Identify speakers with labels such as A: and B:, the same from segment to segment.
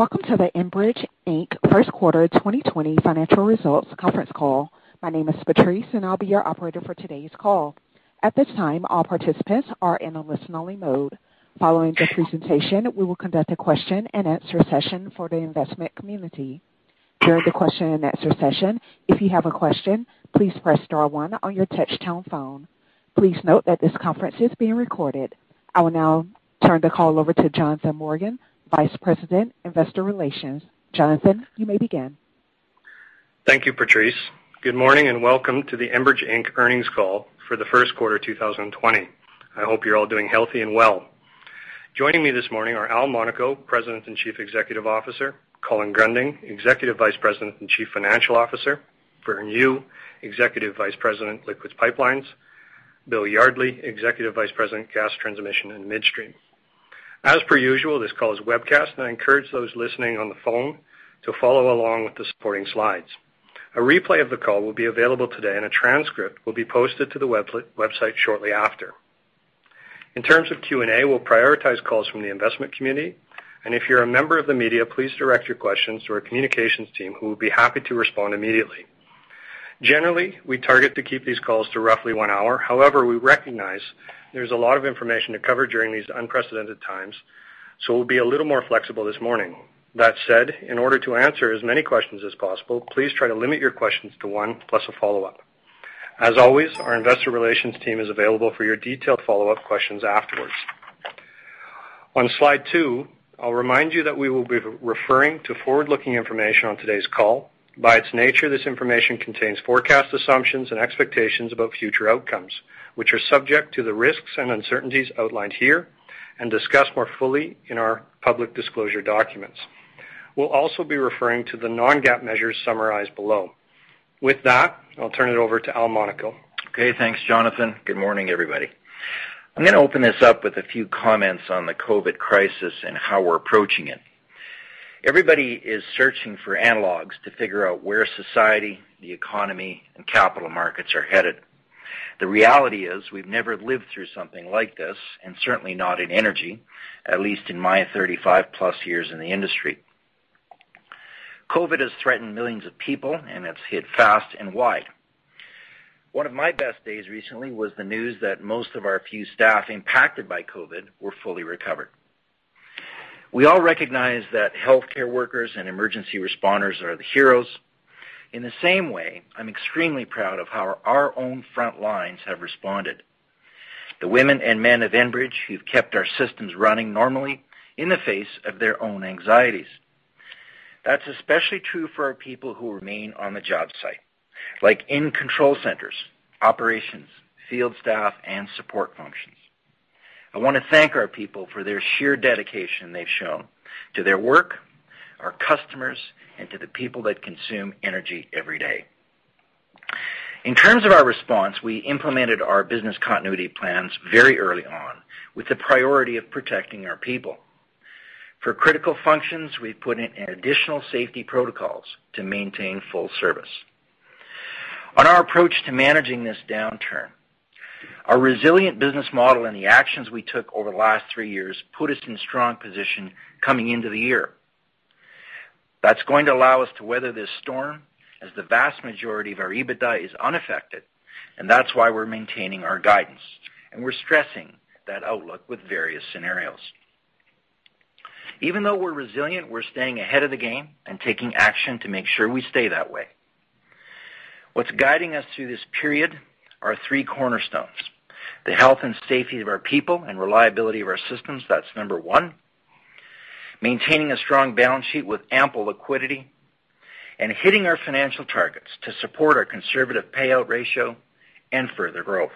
A: Welcome to the Enbridge Inc. First Quarter 2020 Financial Results Conference Call. My name is Patrice and I'll be your operator for today's call. At this time, all participants are in a listen-only mode. Following the presentation, we will conduct a question and answer session for the investment community. During the question and answer session, if you have a question, please press star one on your touch-tone phone. Please note that this conference is being recorded. I will now turn the call over to Jonathan Morgan, Vice President, Investor Relations. Jonathan, you may begin.
B: Thank you, Patrice. Good morning and welcome to the Enbridge Inc. earnings call for the first quarter 2020. I hope you're all doing healthy and well. Joining me this morning are Al Monaco, President and Chief Executive Officer, Colin Gruending, Executive Vice President and Chief Financial Officer, Vern Yu, Executive Vice President, Liquids Pipelines, Bill Yardley, Executive Vice President, Gas Transmission and Midstream. As per usual, this call is webcast, and I encourage those listening on the phone to follow along with the supporting slides. A replay of the call will be available today, and a transcript will be posted to the website shortly after. In terms of Q&A, we'll prioritize calls from the investment community, and if you're a member of the media, please direct your questions to our communications team, who will be happy to respond immediately. Generally, we target to keep these calls to roughly one hour. We recognize there's a lot of information to cover during these unprecedented times, so we'll be a little more flexible this morning. In order to answer as many questions as possible, please try to limit your questions to one plus a follow-up. As always, our investor relations team is available for your detailed follow-up questions afterwards. On slide two, I'll remind you that we will be referring to forward-looking information on today's call. By its nature, this information contains forecast assumptions and expectations about future outcomes, which are subject to the risks and uncertainties outlined here and discussed more fully in our public disclosure documents. We'll also be referring to the non-GAAP measures summarized below. With that, I'll turn it over to Al Monaco.
C: Okay. Thanks, Jonathan. Good morning, everybody. I'm going to open this up with a few comments on the COVID crisis and how we're approaching it. Everybody is searching for analogs to figure out where society, the economy, and capital markets are headed. The reality is we've never lived through something like this, and certainly not in energy, at least in my 35+ years in the industry. COVID has threatened millions of people, and it's hit fast and wide. One of my best days recently was the news that most of our few staff impacted by COVID were fully recovered. We all recognize that healthcare workers and emergency responders are the heroes. In the same way, I'm extremely proud of how our own front lines have responded. The women and men of Enbridge who've kept our systems running normally in the face of their own anxieties. That's especially true for our people who remain on the job site, like in control centers, operations, field staff, and support functions. I want to thank our people for their sheer dedication they've shown to their work, our customers, and to the people that consume energy every day. In terms of our response, we implemented our business continuity plans very early on with the priority of protecting our people. For critical functions, we've put in additional safety protocols to maintain full service. On our approach to managing this downturn, our resilient business model and the actions we took over the last three years put us in a strong position coming into the year. That's going to allow us to weather this storm as the vast majority of our EBITDA is unaffected, and that's why we're maintaining our guidance, and we're stressing that outlook with various scenarios. Even though we're resilient, we're staying ahead of the game and taking action to make sure we stay that way. What's guiding us through this period are three cornerstones, the health and safety of our people and reliability of our systems, that's number one. Maintaining a strong balance sheet with ample liquidity, and hitting our financial targets to support our conservative payout ratio and further growth.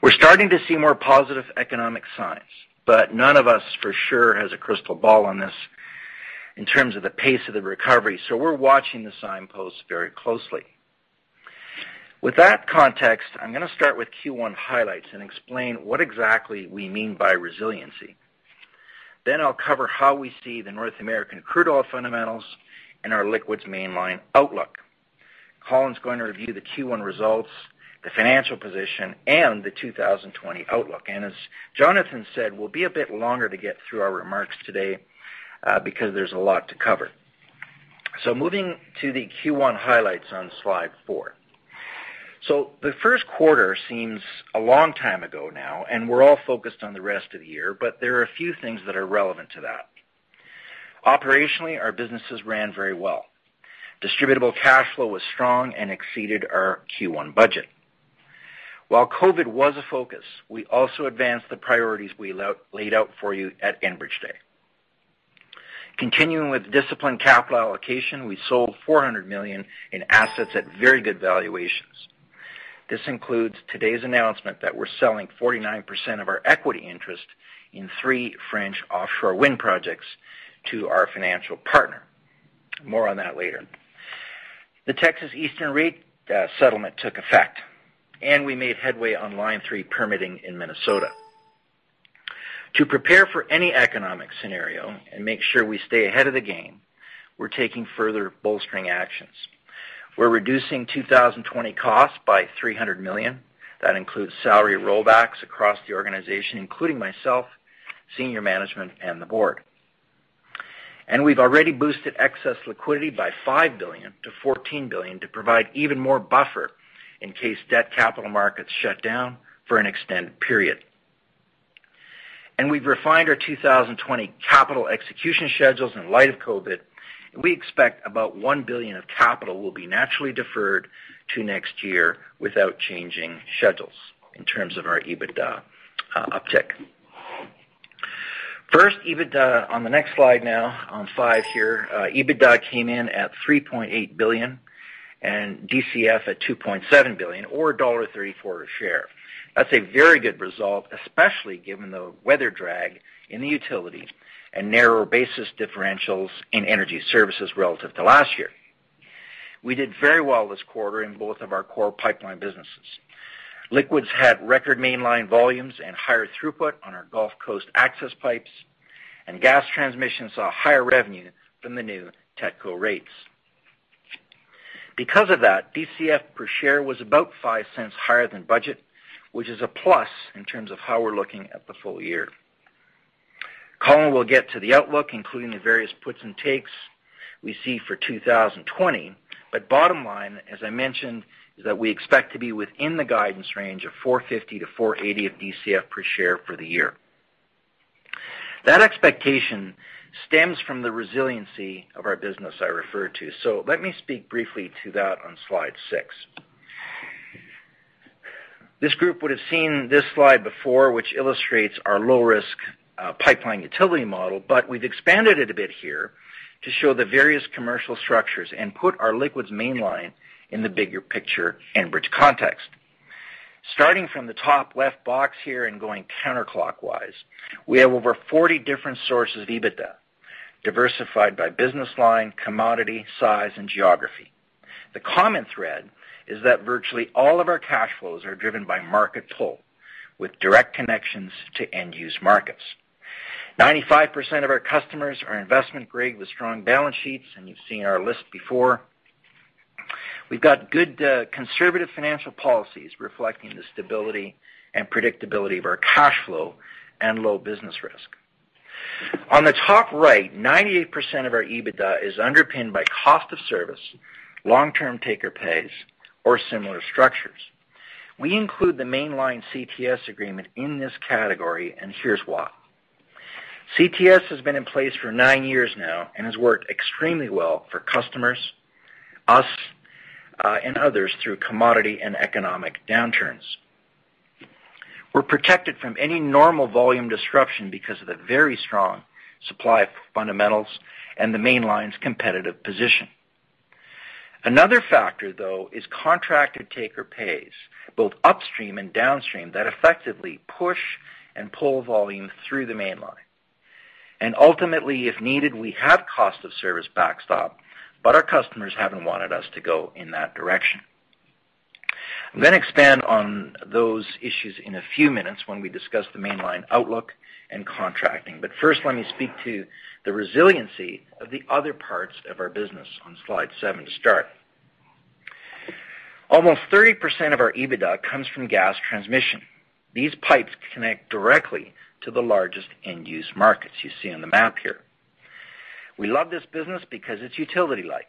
C: We're starting to see more positive economic signs. None of us for sure has a crystal ball on this in terms of the pace of the recovery. We're watching the signposts very closely. With that context, I'm going to start with Q1 highlights and explain what exactly we mean by resiliency. I'll cover how we see the North American crude oil fundamentals and our liquids mainline outlook. Colin's going to review the Q1 results, the financial position, and the 2020 outlook. As Jonathan said, we'll be a bit longer to get through our remarks today because there's a lot to cover. Moving to the Q1 highlights on slide four. The first quarter seems a long time ago now, and we're all focused on the rest of the year, but there are a few things that are relevant to that. Operationally, our businesses ran very well. Distributable cash flow was strong and exceeded our Q1 budget. While COVID was a focus, we also advanced the priorities we laid out for you at Enbridge Day. Continuing with disciplined capital allocation, we sold 400 million in assets at very good valuations. This includes today's announcement that we're selling 49% of our equity interest in three French offshore wind projects to our financial partner. More on that later. The Texas Eastern rate settlement took effect. We made headway on Line 3 permitting in Minnesota. To prepare for any economic scenario and make sure we stay ahead of the game, we're taking further bolstering actions. We're reducing 2020 costs by 300 million. That includes salary rollbacks across the organization, including myself, senior management, and the board. We've already boosted excess liquidity by 5 billion to 14 billion to provide even more buffer in case debt capital markets shut down for an extended period. We've refined our 2020 capital execution schedules in light of COVID. We expect about 1 billion of capital will be naturally deferred to next year without changing schedules in terms of our EBITDA uptick. First, EBITDA on the next slide now, on five here. EBITDA came in at 3.8 billion and DCF at 2.7 billion or dollar 1.34 a share. That's a very good result, especially given the weather drag in the utility and narrower basis differentials in energy services relative to last year. We did very well this quarter in both of our core pipeline businesses. Liquids had record mainline volumes and higher throughput on our Gulf Coast access pipes, and Gas Transmission saw higher revenue from the new TETCO rates. Because of that, DCF per share was about 0.05 higher than budget, which is a plus in terms of how we're looking at the full year. Colin will get to the outlook, including the various puts and takes we see for 2020. Bottom line, as I mentioned, is that we expect to be within the guidance range of 4.50-4.80 of DCF per share for the year. That expectation stems from the resiliency of our business I referred to, so let me speak briefly to that on slide six. This group would've seen this slide before, which illustrates our low-risk pipeline utility model, but we've expanded it a bit here to show the various commercial structures and put our liquids mainline in the bigger picture Enbridge context. Starting from the top left box here and going counterclockwise, we have over 40 different sources of EBITDA diversified by business line, commodity, size, and geography. The common thread is that virtually all of our cash flows are driven by market pull with direct connections to end-use markets. 95% of our customers are investment-grade with strong balance sheets, and you've seen our list before. We've got good, conservative financial policies reflecting the stability and predictability of our cashflow and low business risk. On the top right, 98% of our EBITDA is underpinned by cost of service, long-term take-or-pays, or similar structures. We include the mainline CTS agreement in this category. Here's why. CTS has been in place for nine years now and has worked extremely well for customers, us, and others through commodity and economic downturns. We're protected from any normal volume disruption because of the very strong supply fundamentals and the mainline's competitive position. Another factor, though, is contracted take-or-pays, both upstream and downstream, that effectively push and pull volume through the mainline. Ultimately, if needed, we have cost of service backstop, but our customers haven't wanted us to go in that direction. I'm going to expand on those issues in a few minutes when we discuss the mainline outlook and contracting. First, let me speak to the resiliency of the other parts of our business on slide seven to start. Almost 30% of our EBITDA comes from gas transmission. These pipes connect directly to the largest end-use markets you see on the map here. We love this business because it's utility-like.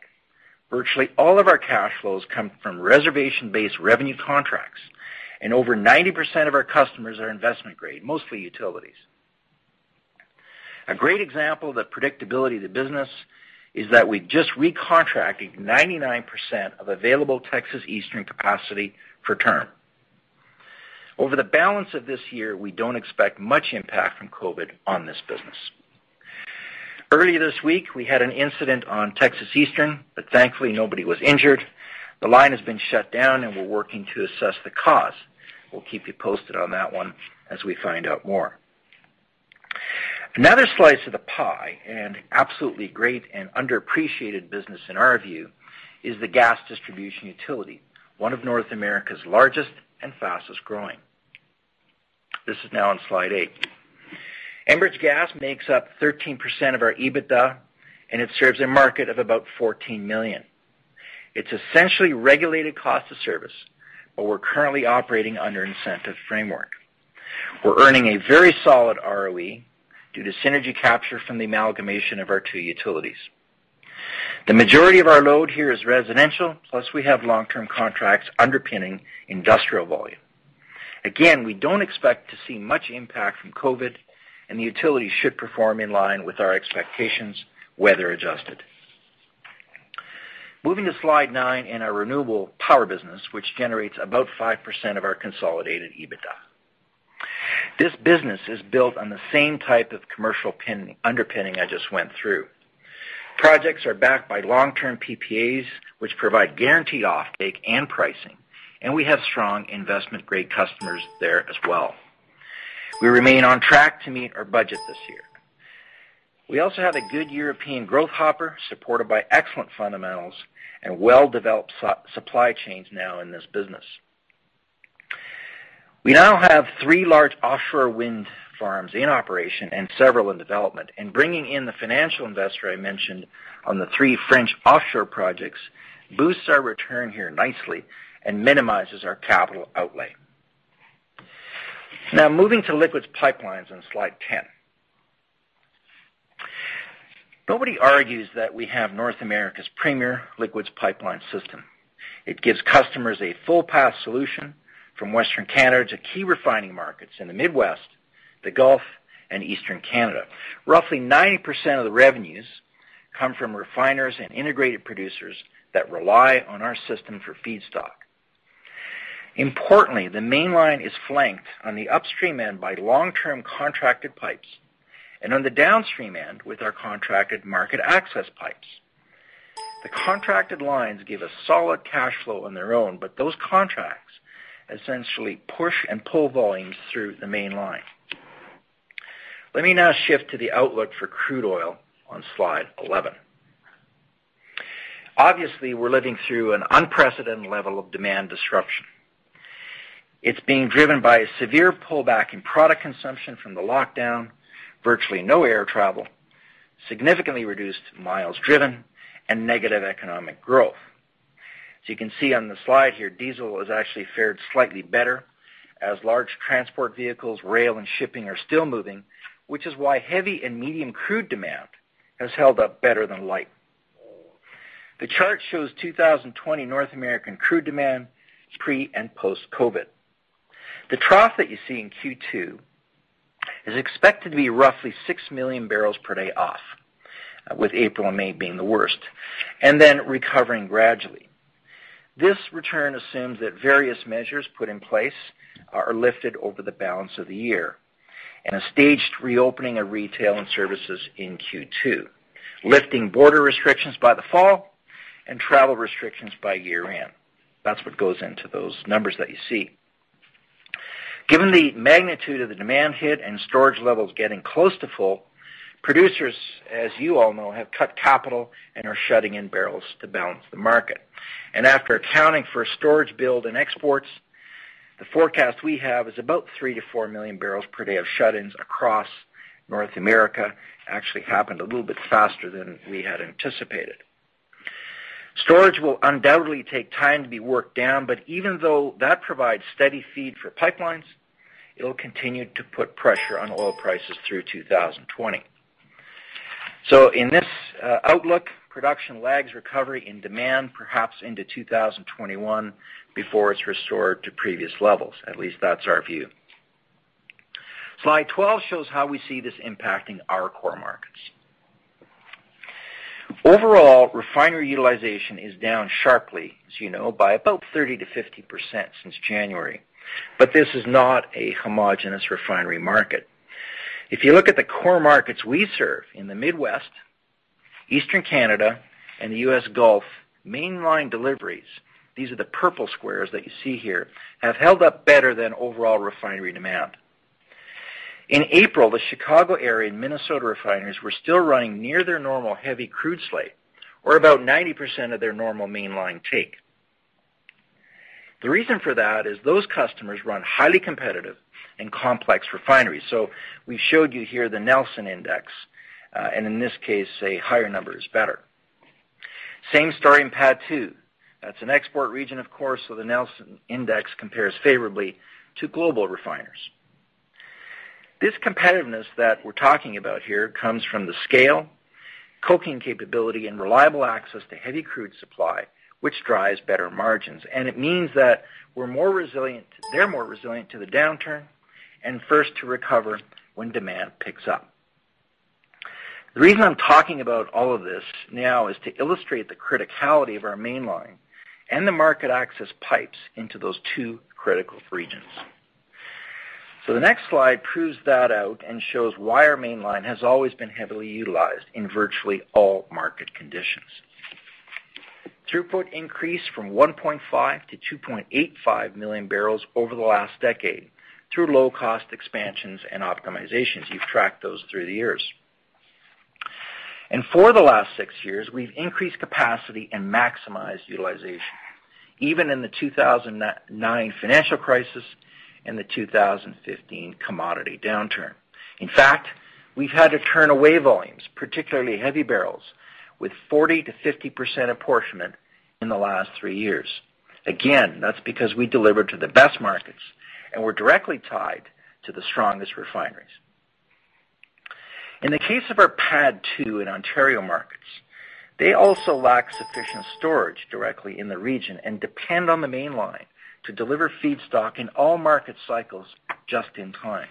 C: Virtually all of our cash flows come from reservation-based revenue contracts, and over 90% of our customers are investment-grade, mostly utilities. A great example of the predictability of the business is that we just recontracted 99% of available Texas Eastern capacity for term. Over the balance of this year, we don't expect much impact from COVID on this business. Early this week, we had an incident on Texas Eastern, but thankfully, nobody was injured. The line has been shut down and we're working to assess the cause. We'll keep you posted on that one as we find out more. Another slice of the pie, absolutely great and underappreciated business in our view, is the gas distribution utility, one of North America's largest and fastest-growing. This is now on slide eight. Enbridge Gas makes up 13% of our EBITDA, and it serves a market of about 14 million. It's essentially regulated cost of service, but we're currently operating under incentive framework. We're earning a very solid ROE due to synergy capture from the amalgamation of our two utilities. The majority of our load here is residential, plus we have long-term contracts underpinning industrial volume. Again, we don't expect to see much impact from COVID, and the utility should perform in line with our expectations, weather adjusted. Moving to slide nine in our renewable power business, which generates about 5% of our consolidated EBITDA. This business is built on the same type of commercial underpinning I just went through. Projects are backed by long-term PPAs, which provide guaranteed offtake and pricing, and we have strong investment-grade customers there as well. We remain on track to meet our budget this year. We also have a good European growth hopper supported by excellent fundamentals and well-developed supply chains now in this business. We now have three large offshore wind farms in operation and several in development, and bringing in the financial investor I mentioned on the three French offshore projects boosts our return here nicely and minimizes our capital outlay. Moving to Liquids Pipelines on slide 10. Nobody argues that we have North America's premier liquids pipeline system. It gives customers a full path solution from Western Canada to key refining markets in the Midwest, the Gulf, and Eastern Canada. Roughly 90% of the revenues come from refiners and integrated producers that rely on our system for feedstock. The mainline is flanked on the upstream end by long-term contracted pipes and on the downstream end with our contracted market access pipes. The contracted lines give us solid cash flow on their own, those contracts essentially push and pull volumes through the mainline. Let me now shift to the outlook for crude oil on slide 11. We're living through an unprecedented level of demand disruption. It's being driven by a severe pullback in product consumption from the lockdown, virtually no air travel, significantly reduced miles driven, and negative economic growth. As you can see on the slide here, diesel has actually fared slightly better as large transport vehicles, rail, and shipping are still moving, which is why heavy and medium crude demand has held up better than light. The chart shows 2020 North American crude demand pre and post-COVID. The trough that you see in Q2 is expected to be roughly 6 million barrels per day off, with April and May being the worst, then recovering gradually. This return assumes that various measures put in place are lifted over the balance of the year and a staged reopening of retail and services in Q2, lifting border restrictions by the fall and travel restrictions by year-end. That's what goes into those numbers that you see. Given the magnitude of the demand hit and storage levels getting close to full, producers, as you all know, have cut capital and are shutting in barrels to balance the market. After accounting for storage build and exports, the forecast we have is about 3 million-4 million barrels per day of shut-ins across North America. Actually happened a little bit faster than we had anticipated. Storage will undoubtedly take time to be worked down, but even though that provides steady feed for pipelines, it'll continue to put pressure on oil prices through 2020. In this outlook, production lags recovery in demand perhaps into 2021 before it's restored to previous levels. At least that's our view. Slide 12 shows how we see this impacting our core markets. Overall, refinery utilization is down sharply, as you know, by about 30%-50% since January. This is not a homogeneous refinery market. If you look at the core markets we serve in the Midwest, Eastern Canada, and the US Gulf, mainline deliveries, these are the purple squares that you see here, have held up better than overall refinery demand. In April, the Chicago area and Minnesota refineries were still running near their normal heavy crude slate or about 90% of their normal mainline take. The reason for that is those customers run highly competitive and complex refineries. We've showed you here the Nelson Index, and in this case, a higher number is better. Same story in PADD II. That's an export region, of course, so the Nelson Index compares favorably to global refiners. This competitiveness that we're talking about here comes from the scale, coking capability, and reliable access to heavy crude supply, which drives better margins. It means that they're more resilient to the downturn and first to recover when demand picks up. The reason I'm talking about all of this now is to illustrate the criticality of our mainline and the market access pipes into those two critical regions. The next slide proves that out and shows why our mainline has always been heavily utilized in virtually all market conditions. Throughput increased from 1.5 million-2.85 million barrels over the last decade through low-cost expansions and optimizations. You've tracked those through the years. For the last six years, we've increased capacity and maximized utilization, even in the 2009 financial crisis and the 2015 commodity downturn. In fact, we've had to turn away volumes, particularly heavy barrels, with 40%-50% apportionment in the last three years. Again, that's because we deliver to the best markets, and we're directly tied to the strongest refineries. In the case of our PADD II and Ontario markets, they also lack sufficient storage directly in the region and depend on the mainline to deliver feedstock in all market cycles just in time.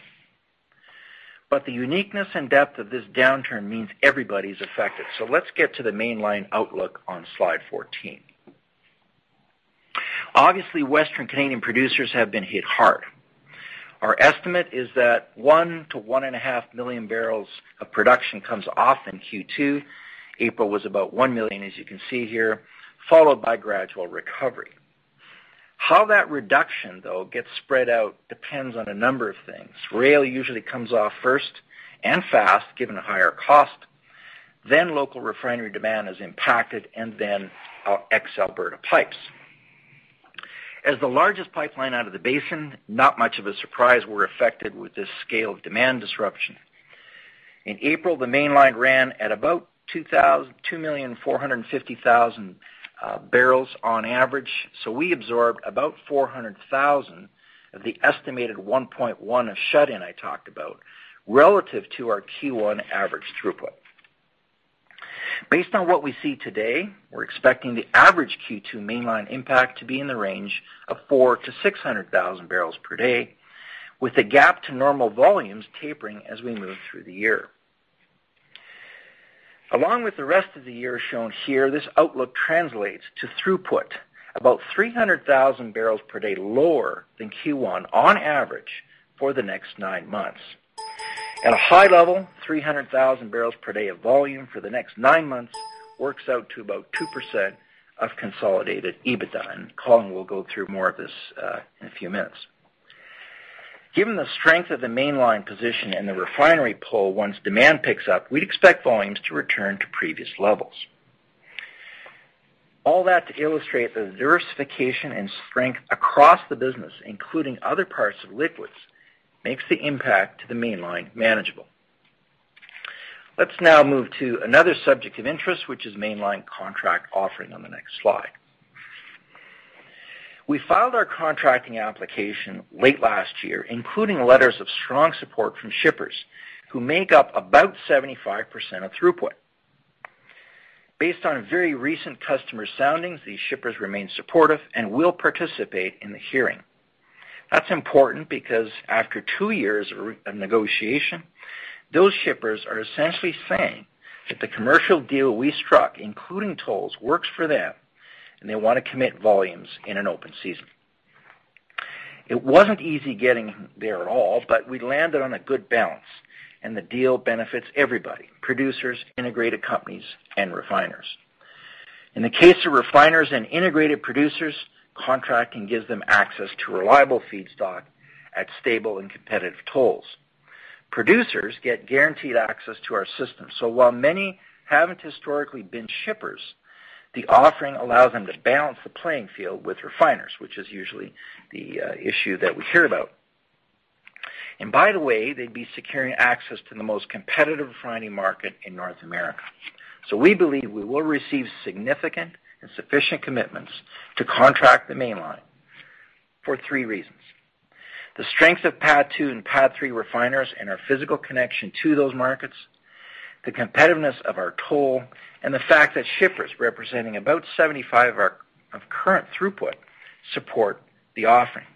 C: The uniqueness and depth of this downturn means everybody's affected. Let's get to the mainline outlook on slide 14. Obviously, Western Canadian producers have been hit hard. Our estimate is that 1 million-1.5 million barrels of production comes off in Q2. April was about 1 million, as you can see here, followed by gradual recovery. How that reduction, though, gets spread out depends on a number of things. Local refinery demand is impacted, and then our ex-Alberta pipes. As the largest pipeline out of the basin, not much of a surprise we're affected with this scale of demand disruption. In April, the Mainline ran at about 2,450,000 barrels on average. We absorbed about 400,000 barrels of the estimated 1.1 million barrels of shut-in I talked about, relative to our Q1 average throughput. Based on what we see today, we're expecting the average Q2 Mainline impact to be in the range of 400,000-600,000 barrels per day, with the gap to normal volumes tapering as we move through the year. Along with the rest of the year shown here, this outlook translates to throughput about 300,000 barrels per day lower than Q1 on average for the next nine months. At a high level, 300,000 barrels per day of volume for the next nine months works out to about 2% of consolidated EBITDA. Colin will go through more of this in a few minutes. Given the strength of the Mainline position and the refinery pull, once demand picks up, we'd expect volumes to return to previous levels. All that to illustrate the diversification and strength across the business, including other parts of liquids, makes the impact to the mainline manageable. Let's now move to another subject of interest, which is Mainline contract offering on the next slide. We filed our contracting application late last year, including letters of strong support from shippers who make up about 75% of throughput. Based on very recent customer soundings, these shippers remain supportive and will participate in the hearing. That's important because after two years of negotiation, those shippers are essentially saying that the commercial deal we struck, including tolls, works for them, and they want to commit volumes in an open season. It wasn't easy getting there at all, but we landed on a good balance, and the deal benefits everybody, producers, integrated companies, and refiners. In the case of refiners and integrated producers, contracting gives them access to reliable feedstock at stable and competitive tolls. Producers get guaranteed access to our system, while many haven't historically been shippers, the offering allows them to balance the playing field with refiners, which is usually the issue that we hear about. By the way, they'd be securing access to the most competitive refining market in North America. We believe we will receive significant and sufficient commitments to contract the mainline for three reasons: the strength of PADD II and PADD III refiners and our physical connection to those markets, the competitiveness of our toll, and the fact that shippers representing about 75% of current throughput support the offering.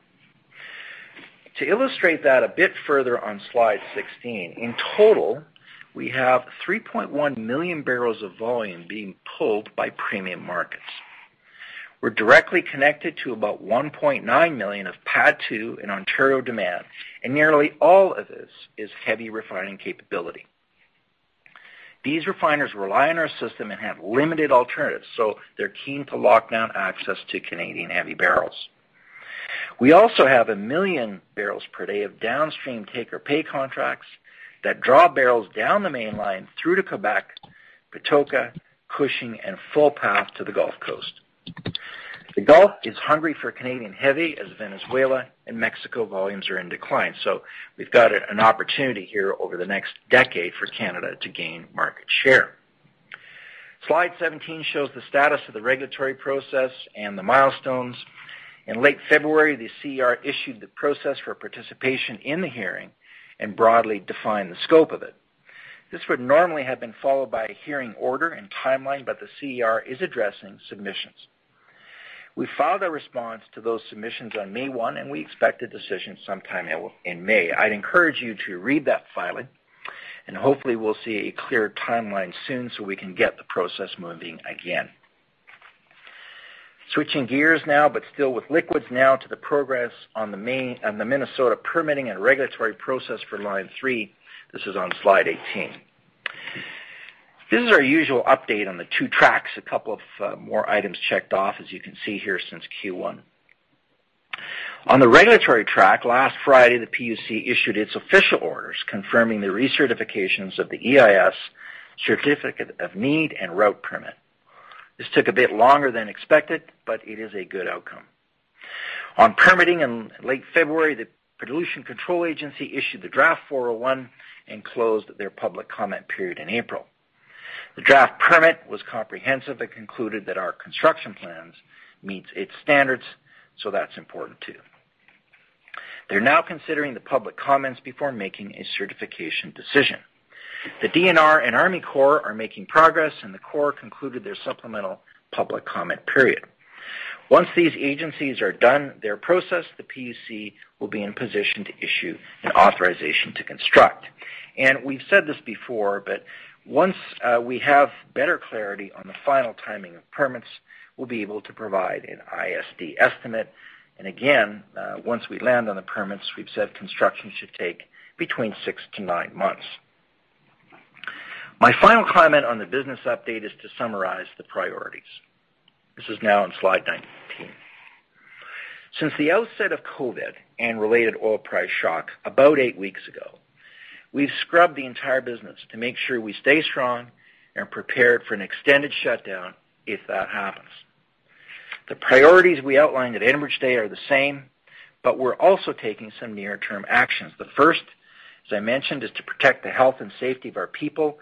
C: To illustrate that a bit further on slide 16, in total, we have 3.1 million barrels of volume being pulled by premium markets. We're directly connected to about 1.9 million of PADD II and Ontario demand, nearly all of this is heavy refining capability. These refiners rely on our system and have limited alternatives. They're keen to lock down access to Canadian heavy barrels. We also have 1 million barrels per day of downstream take-or-pay contracts that draw barrels down the mainline through to Quebec, Patoka, Cushing, and full path to the Gulf Coast. The Gulf is hungry for Canadian heavy as Venezuela and Mexico volumes are in decline. We've got an opportunity here over the next decade for Canada to gain market share. Slide 17 shows the status of the regulatory process and the milestones. In late February, the CER issued the process for participation in the hearing and broadly defined the scope of it. This would normally have been followed by a hearing order and timeline. The CER is addressing submissions. We filed our response to those submissions on May 1. We expect a decision sometime in May. I'd encourage you to read that filing. Hopefully, we'll see a clear timeline soon so we can get the process moving again. Switching gears now, still with Liquids now to the progress on the Minnesota permitting and regulatory process for Line 3. This is on slide 18. This is our usual update on the two tracks. A couple of more items checked off, as you can see here since Q1. On the regulatory track, last Friday, the PUC issued its official orders confirming the recertifications of the EIS certificate of need and route permit. This took a bit longer than expected. It is a good outcome. On permitting in late February, the Pollution Control Agency issued the draft 401 and closed their public comment period in April. The draft permit was comprehensive. It concluded that our construction plans meets its standards. That's important, too. They're now considering the public comments before making a certification decision. The DNR and Army Corps are making progress, and the Corps concluded their supplemental public comment period. Once these agencies are done their process, the PUC will be in position to issue an authorization to construct. We've said this before, but once we have better clarity on the final timing of permits, we'll be able to provide an ISD estimate. Again, once we land on the permits, we've said construction should take between six to nine months. My final comment on the business update is to summarize the priorities. This is now on slide 19. Since the outset of COVID and related oil price shock about eight weeks ago, we've scrubbed the entire business to make sure we stay strong and prepared for an extended shutdown if that happens. The priorities we outlined at Enbridge Day are the same, but we're also taking some near-term actions. The first, as I mentioned, is to protect the health and safety of our people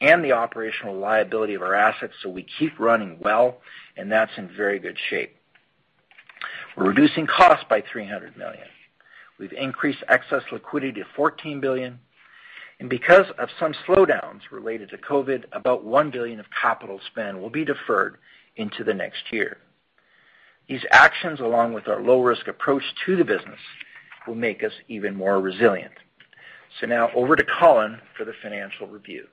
C: and the operational liability of our assets so we keep running well, and that's in very good shape. We're reducing costs by 300 million. We've increased excess liquidity to 14 billion, and because of some slowdowns related to COVID, about 1 billion of capital spend will be deferred into the next year. These actions, along with our low-risk approach to the business, will make us even more resilient. Now over to Colin for the financial review.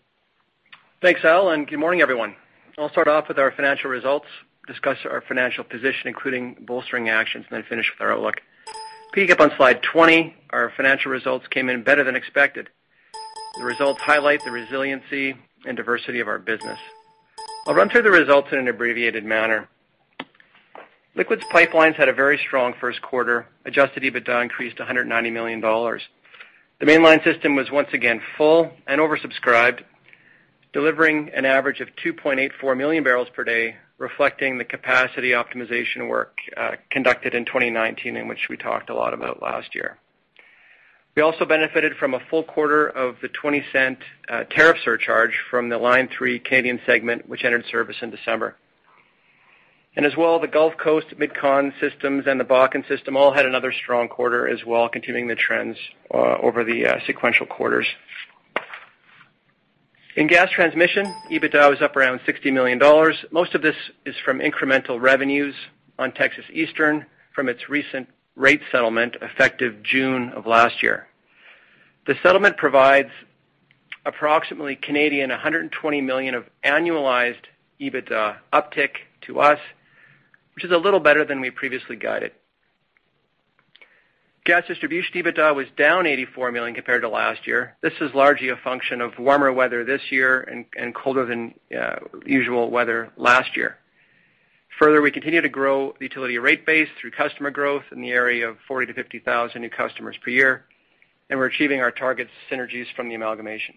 D: Thanks, Al. Good morning, everyone. I'll start off with our financial results, discuss our financial position, including bolstering actions, and then finish with our outlook. Peeking up on slide 20, our financial results came in better than expected. The results highlight the resiliency and diversity of our business. I'll run through the results in an abbreviated manner. Liquids Pipelines had a very strong first quarter, adjusted EBITDA increased by 190 million dollars. The Mainline system was once again full and oversubscribed, delivering an average of 2.84 million barrels per day, reflecting the capacity optimization work conducted in 2019, in which we talked a lot about last year. We also benefited from a full quarter of the 0.20 tariff surcharge from the Line 3 Canadian segment, which entered service in December. As well, the Gulf Coast, Mid-Con systems, and the Bakken system all had another strong quarter as well, continuing the trends over the sequential quarters. In Gas Transmission, EBITDA was up around 60 million dollars. Most of this is from incremental revenues on Texas Eastern from its recent rate settlement effective June of last year. The settlement provides approximately 120 million of annualized EBITDA uptick to us, which is a little better than we previously guided. Gas distribution EBITDA was down 84 million compared to last year. This is largely a function of warmer weather this year and colder than usual weather last year. Further, we continue to grow the utility rate base through customer growth in the area of 40,000-50,000 new customers per year, and we're achieving our target synergies from the amalgamation.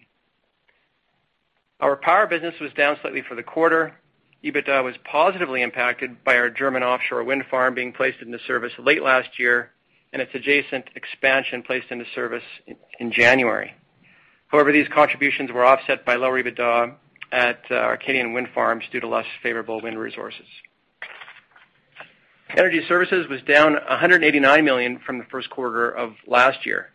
D: Our power business was down slightly for the quarter. EBITDA was positively impacted by our German offshore wind farm being placed into service late last year and its adjacent expansion placed into service in January. These contributions were offset by low EBITDA at our Canadian wind farms due to less favorable wind resources. Energy services was down 189 million from the first quarter of last year.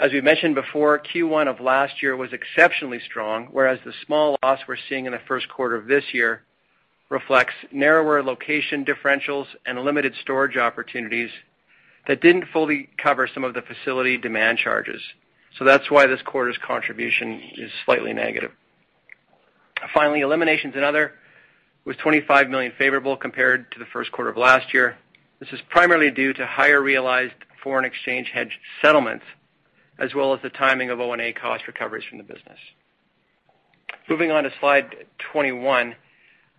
D: As we mentioned before, Q1 of last year was exceptionally strong, whereas the small loss we're seeing in the first quarter of this year reflects narrower location differentials and limited storage opportunities that didn't fully cover some of the facility demand charges. That's why this quarter's contribution is slightly negative. Finally, eliminations and other was 25 million favorable compared to the first quarter of last year. This is primarily due to higher realized foreign exchange hedge settlements as well as the timing of O&M cost recoveries from the business. Moving on to slide 21.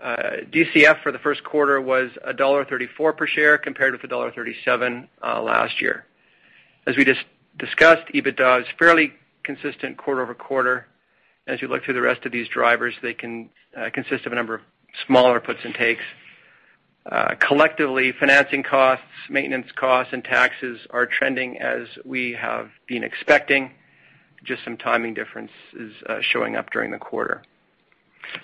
D: DCF for the first quarter was dollar 1.34 per share compared with dollar 1.37 last year. We just discussed, EBITDA is fairly consistent quarter-over-quarter. You look through the rest of these drivers, they can consist of a number of smaller puts and takes. Collectively, financing costs, maintenance costs, and taxes are trending as we have been expecting, just some timing differences showing up during the quarter.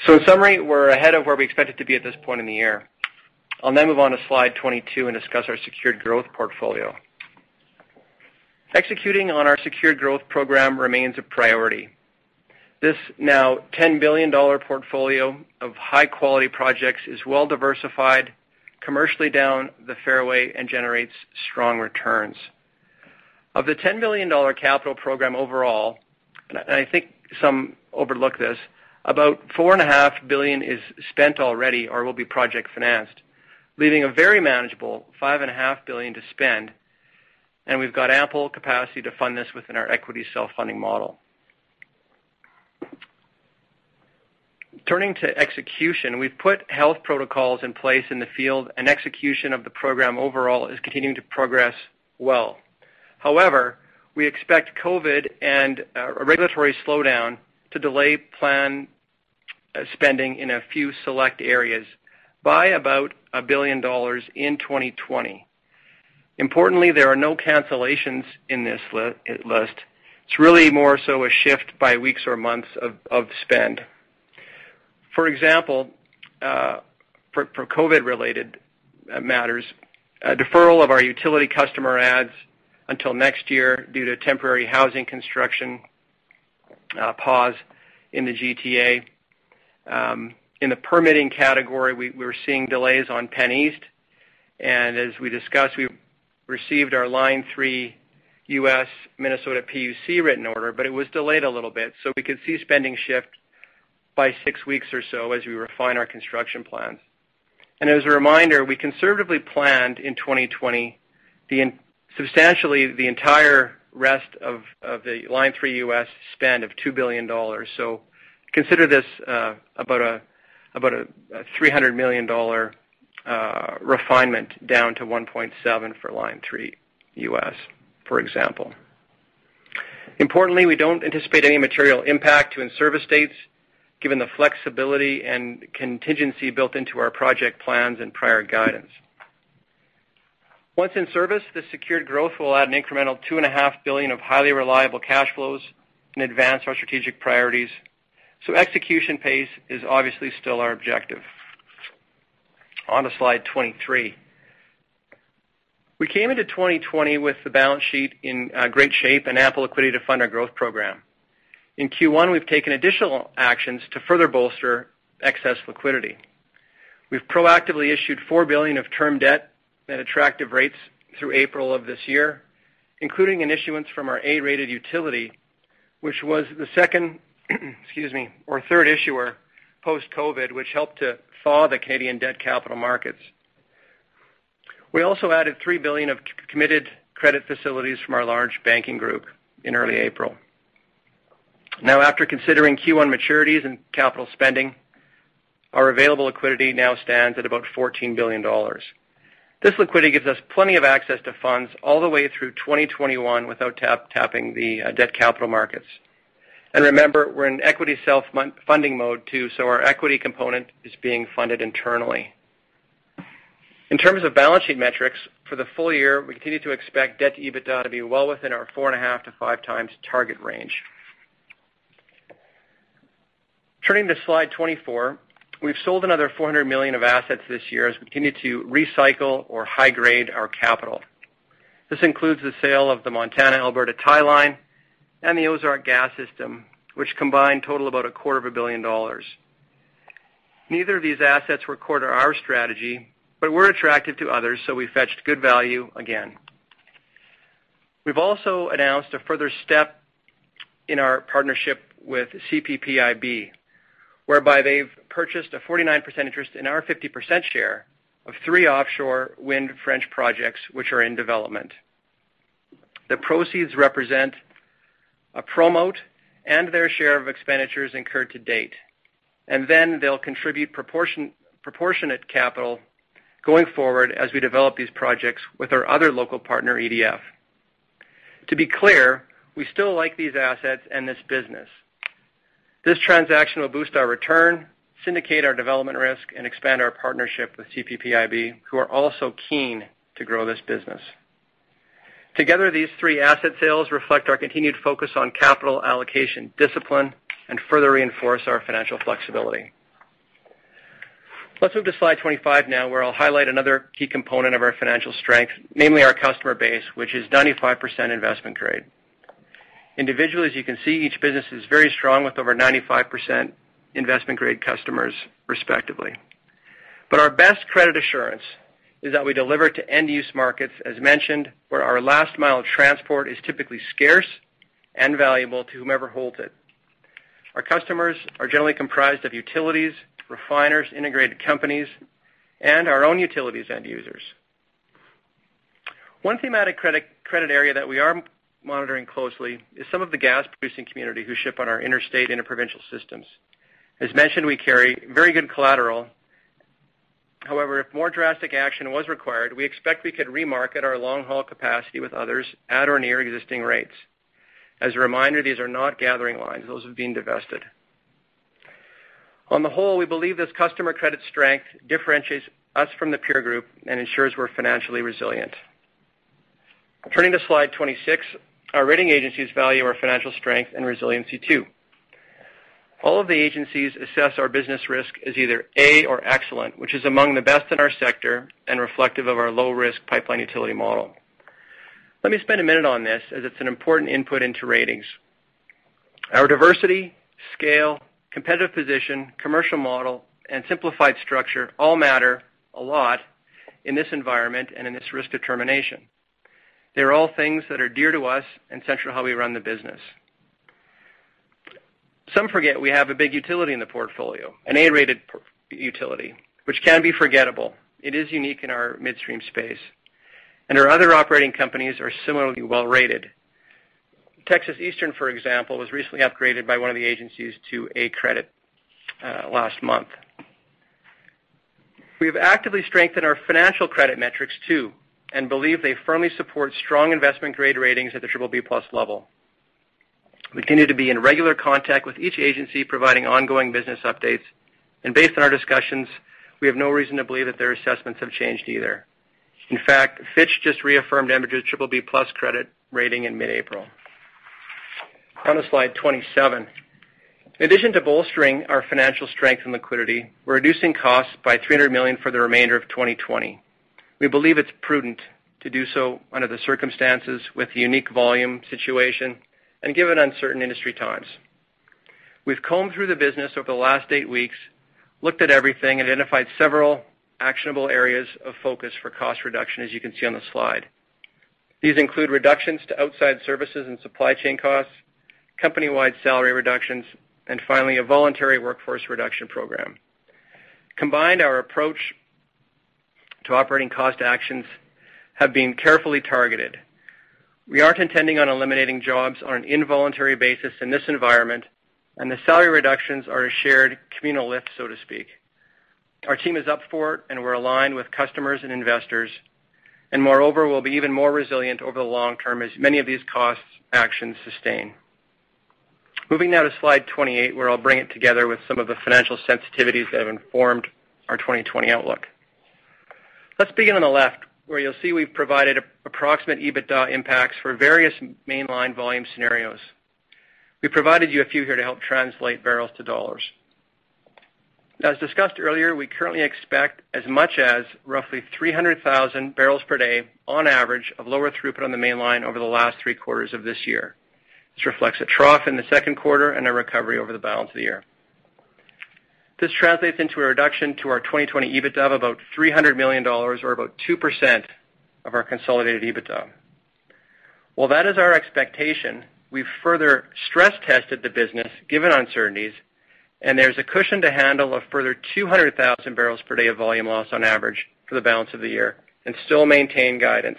D: In summary, we're ahead of where we expected to be at this point in the year. I'll move on to slide 22 and discuss our secured growth portfolio. Executing on our secured growth program remains a priority. This now 10 billion dollar portfolio of high-quality projects is well-diversified, commercially down the fairway, and generates strong returns. Of the 10 billion dollar capital program overall, and I think some overlook this, about 4.5 billion is spent already or will be project financed, leaving a very manageable 5.5 billion to spend, and we've got ample capacity to fund this within our equity self-funding model. Turning to execution, we've put health protocols in place in the field, and execution of the program overall is continuing to progress well. However, we expect COVID and a regulatory slowdown to delay planned spending in a few select areas by about 1 billion dollars in 2020. Importantly, there are no cancellations in this list. It's really more so a shift by weeks or months of spend. For example, for COVID-related matters, a deferral of our utility customer adds until next year due to temporary housing construction pause in the GTA. In the permitting category, we're seeing delays on PennEast. As we discussed, we received our Line 3 US Minnesota PUC written order, but it was delayed a little bit, so we could see spending shift by six weeks or so as we refine our construction plans. As a reminder, we conservatively planned in 2020 substantially the entire rest of the Line 3 US spend of $2 billion. Consider this About a $300 million refinement down to $1.7 billion for Line 3 US, for example. Importantly, we don't anticipate any material impact to in-service dates given the flexibility and contingency built into our project plans and prior guidance. Once in service, this secured growth will add an incremental $2.5 billion of highly reliable cash flows and advance our strategic priorities. Execution pace is obviously still our objective. On to slide 23. We came into 2020 with the balance sheet in great shape and ample liquidity to fund our growth program. In Q1, we've taken additional actions to further bolster excess liquidity. We've proactively issued 4 billion of term debt at attractive rates through April of this year, including an issuance from our A-rated utility, which was the second, excuse me, or third issuer post-COVID, which helped to thaw the Canadian debt capital markets. We also added 3 billion of committed credit facilities from our large banking group in early April. Now, after considering Q1 maturities and capital spending, our available liquidity now stands at about 14 billion dollars. This liquidity gives us plenty of access to funds all the way through 2021 without tapping the debt capital markets. Remember, we're in equity self-funding mode too, so our equity component is being funded internally. In terms of balance sheet metrics for the full year, we continue to expect debt to EBITDA to be well within our 4.5x-5x target range. Turning to slide 24. We've sold another 400 million of assets this year as we continue to recycle or high grade our capital. This includes the sale of the Montana-Alberta Tie Line and the Ozark Gas System, which combined total about a 0.25 billion dollars. Neither of these assets were core to our strategy, but were attractive to others, so we fetched good value again. We've also announced a further step in our partnership with CPPIB, whereby they've purchased a 49% interest in our 50% share of three offshore wind French projects, which are in development. The proceeds represent a promote and their share of expenditures incurred to date, and then they'll contribute proportionate capital going forward as we develop these projects with our other local partner, EDF. To be clear, we still like these assets and this business. This transaction will boost our return, syndicate our development risk, and expand our partnership with CPPIB, who are also keen to grow this business. Together, these three asset sales reflect our continued focus on capital allocation discipline and further reinforce our financial flexibility. Let's move to slide 25 now, where I'll highlight another key component of our financial strength, namely our customer base, which is 95% investment grade. Individually, as you can see, each business is very strong with over 95% investment-grade customers, respectively. Our best credit assurance is that we deliver to end-use markets as mentioned, where our last mile of transport is typically scarce and valuable to whomever holds it. Our customers are generally comprised of utilities, refiners, integrated companies, and our own utilities end users. One thematic credit area that we are monitoring closely is some of the gas-producing community who ship on our interstate, interprovincial systems. As mentioned, we carry very good collateral. However, if more drastic action was required, we expect we could remarket our long-haul capacity with others at or near existing rates. As a reminder, these are not gathering lines. Those have been divested. On the whole, we believe this customer credit strength differentiates us from the peer group and ensures we're financially resilient. Turning to slide 26. Our rating agencies value our financial strength and resiliency too. All of the agencies assess our business risk as either A or excellent, which is among the best in our sector and reflective of our low-risk pipeline utility model. Let me spend a minute on this, as it's an important input into ratings. Our diversity, scale, competitive position, commercial model, and simplified structure all matter a lot in this environment and in this risk determination. They're all things that are dear to us and central to how we run the business. Some forget we have a big utility in the portfolio, an A-rated utility, which can be forgettable. It is unique in our midstream space. Our other operating companies are similarly well-rated. Texas Eastern, for example, was recently upgraded by one of the agencies to A credit last month. We've actively strengthened our financial credit metrics too, and believe they firmly support strong investment-grade ratings at the BBB+ level. We continue to be in regular contact with each agency providing ongoing business updates. Based on our discussions, we have no reason to believe that their assessments have changed either. In fact, Fitch just reaffirmed Enbridge's BBB+ credit rating in mid-April. On to slide 27. In addition to bolstering our financial strength and liquidity, we're reducing costs by 300 million for the remainder of 2020. We believe it's prudent to do so under the circumstances with the unique volume situation and given uncertain industry times. We've combed through the business over the last eight weeks, looked at everything, identified several actionable areas of focus for cost reduction, as you can see on the slide. These include reductions to outside services and supply chain costs, company-wide salary reductions, and finally, a voluntary workforce reduction program. Combined, our approach to operating cost actions have been carefully targeted. We aren't intending on eliminating jobs on an involuntary basis in this environment, and the salary reductions are a shared communal lift, so to speak. Our team is up for it and we're aligned with customers and investors, and moreover, we'll be even more resilient over the long term as many of these cost actions sustain. Moving now to slide 28, where I'll bring it together with some of the financial sensitivities that have informed our 2020 outlook. Let's begin on the left, where you'll see we've provided approximate EBITDA impacts for various mainline volume scenarios. We provided you a few here to help translate barrels to dollars. Now, as discussed earlier, we currently expect as much as roughly 300,000 barrels per day on average of lower throughput on the mainline over the last three quarters of this year. This reflects a trough in the second quarter and a recovery over the balance of the year. This translates into a reduction to our 2020 EBITDA of about 300 million dollars or about 2% of our consolidated EBITDA. While that is our expectation, we've further stress tested the business given uncertainties, and there's a cushion to handle a further 200,000 barrels per day of volume loss on average for the balance of the year and still maintain guidance.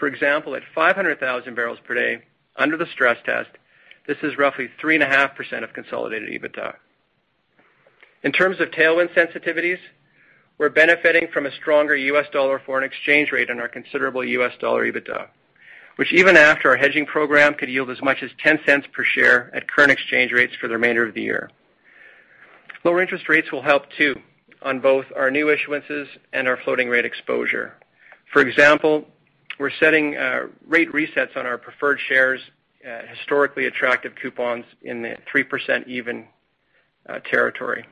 D: For example, at 500,000 barrels per day under the stress test, this is roughly 3.5% of consolidated EBITDA. In terms of tailwind sensitivities, we're benefiting from a stronger U.S. dollar foreign exchange rate on our considerable U.S. dollar EBITDA, which even after our hedging program could yield as much as 0.10 per share at current exchange rates for the remainder of the year. Lower interest rates will help too on both our new issuances and our floating rate exposure. For example, we're setting rate resets on our preferred shares at historically attractive coupons in the 3% even territory.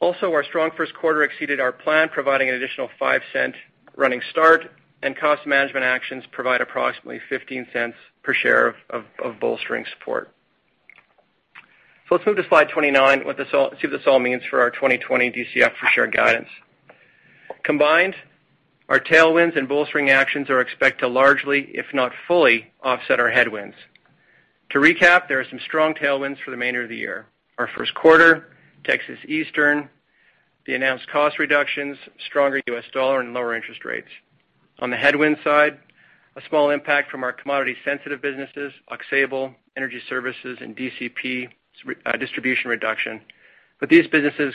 D: Also, our strong first quarter exceeded our plan, providing an additional 0.05 running start and cost management actions provide approximately 0.15 per share of bolstering support. Let's move to slide 29, see what this all means for our 2020 DCF per share guidance. Combined, our tailwinds and bolstering actions are expected to largely, if not fully, offset our headwinds. To recap, there are some strong tailwinds for the remainder of the year. Our first quarter, Texas Eastern, the announced cost reductions, stronger U.S. dollar, and lower interest rates. On the headwind side, a small impact from our commodity-sensitive businesses, Aux Sable, Energy Services, and DCP distribution reduction. These businesses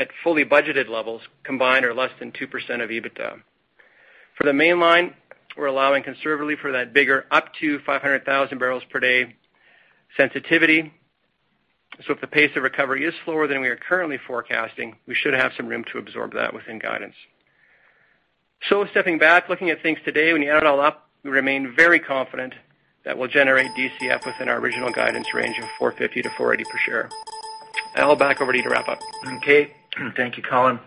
D: at fully budgeted levels combined are less than 2% of EBITDA. For the mainline, we're allowing conservatively for that bigger up to 500,000 barrels per day sensitivity. If the pace of recovery is slower than we are currently forecasting, we should have some room to absorb that within guidance. Stepping back, looking at things today, when you add it all up, we remain very confident that we'll generate DCF within our original guidance range of 4.50-4.80 per share. Al, back over to you to wrap up.
C: Okay. Thank you, Colin.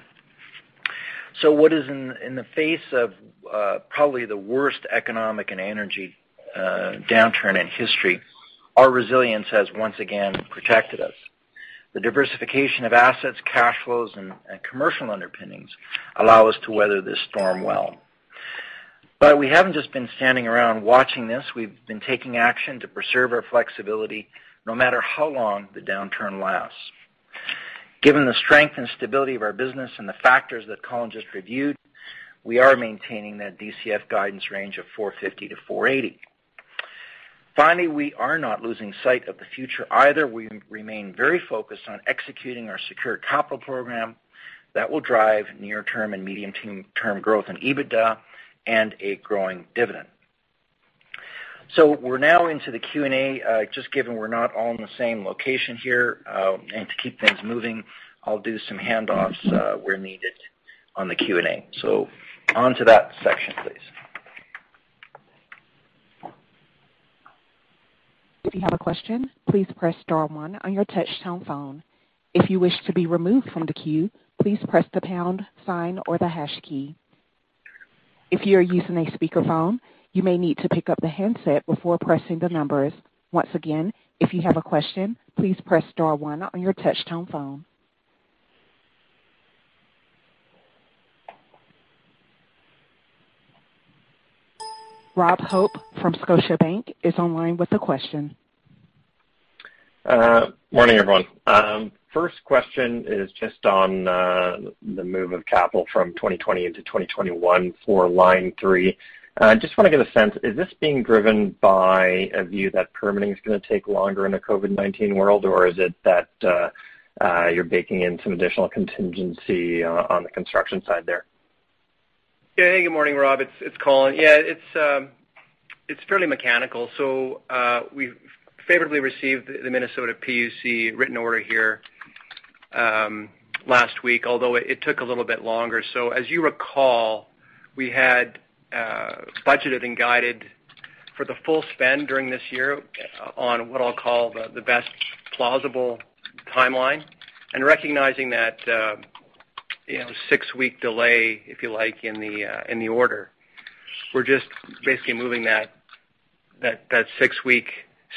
C: What is in the face of probably the worst economic and energy downturn in history. Our resilience has once again protected us. The diversification of assets, cash flows, and commercial underpinnings allow us to weather this storm well. We haven't just been standing around watching this. We've been taking action to preserve our flexibility no matter how long the downturn lasts. Given the strength and stability of our business and the factors that Colin just reviewed, we are maintaining that DCF guidance range of 4.50-4.80. Finally, we are not losing sight of the future either. We remain very focused on executing our secured capital program that will drive near-term and medium-term growth in EBITDA and a growing dividend. We're now into the Q&A. Just given we're not all in the same location here, and to keep things moving, I'll do some handoffs where needed on the Q&A. On to that section, please.
A: If you have a question, please press star one on your touch-tone phone. If you wish to be removed from the queue, please press the pound sign or the hash key. If you are using a speakerphone, you may need to pick up the handset before pressing the numbers. Once again, if you have a question, please press star one on your touch-tone phone. Rob Hope from Scotiabank is online with a question.
E: Morning, everyone. First question is just on the move of capital from 2020 into 2021 for Line 3. I just want to get a sense, is this being driven by a view that permitting is going to take longer in a COVID-19 world? Is it that you're baking in some additional contingency on the construction side there?
D: Hey, good morning, Rob. It's Colin. Yeah, it's fairly mechanical. We favorably received the Minnesota PUC written order here last week, although it took a little bit longer. As you recall, we had budgeted and guided for the full spend during this year on what I'll call the best plausible timeline. Recognizing that six-week delay, if you like, in the order. We're just basically moving that six-week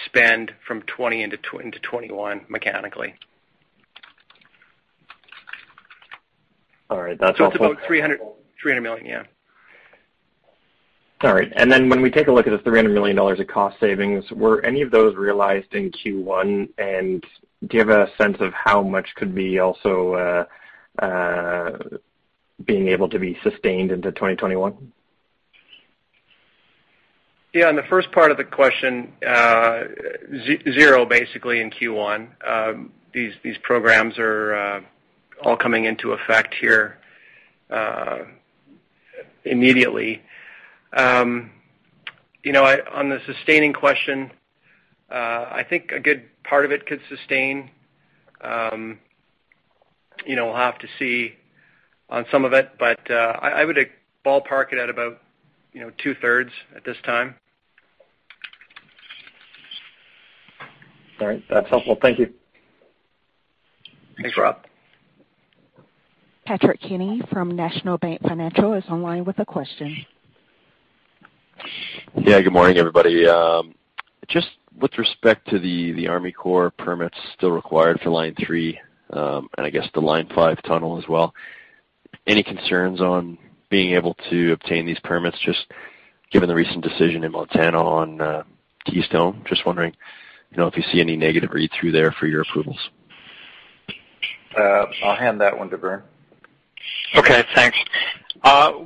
D: spend from 2020 into 2021 mechanically.
E: All right. That's helpful.
D: It's about 300 million. Yeah.
E: All right. When we take a look at the 300 million dollars of cost savings, were any of those realized in Q1? Do you have a sense of how much could be also being able to be sustained into 2021?
D: Yeah, on the first part of the question, zero, basically, in Q1. These programs are all coming into effect here immediately. On the sustaining question, I think a good part of it could sustain. We'll have to see on some of it. I would ballpark it at about two-thirds at this time.
E: All right. That's helpful. Thank you.
D: Thanks, Rob.
A: Patrick Kenny from National Bank Financial is online with a question.
F: Yeah. Good morning, everybody. With respect to the Army Corps permits still required for Line 3, and I guess the Line 5 tunnel as well, any concerns on being able to obtain these permits, given the recent decision in Montana on Keystone? Wondering if you see any negative read-through there for your approvals.
C: I'll hand that one to Vern.
G: Okay, thanks.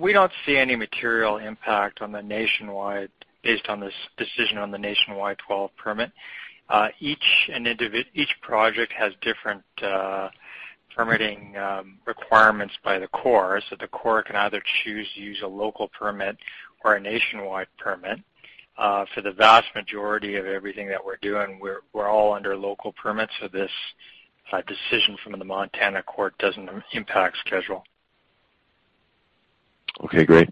G: We don't see any material impact based on this decision on the Nationwide Permit 12. Each project has different permitting requirements by the Corps. The Corps can either choose to use a local permit or a nationwide permit. For the vast majority of everything that we're doing, we're all under local permits, this decision from the Montana court doesn't impact schedule.
F: Okay, great.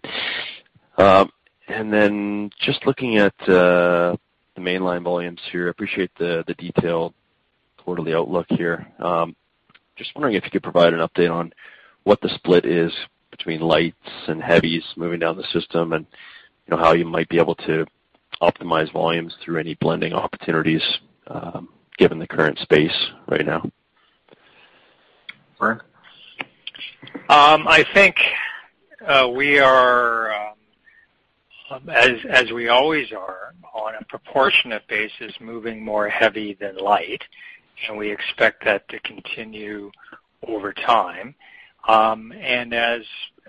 F: Then just looking at the mainline volumes here, appreciate the detailed quarterly outlook here. Just wondering if you could provide an update on what the split is between lights and heavies moving down the system and how you might be able to optimize volumes through any blending opportunities, given the current space right now.
C: Vern?
G: I think we are, as we always are, on a proportionate basis, moving more heavy than light, and we expect that to continue over time.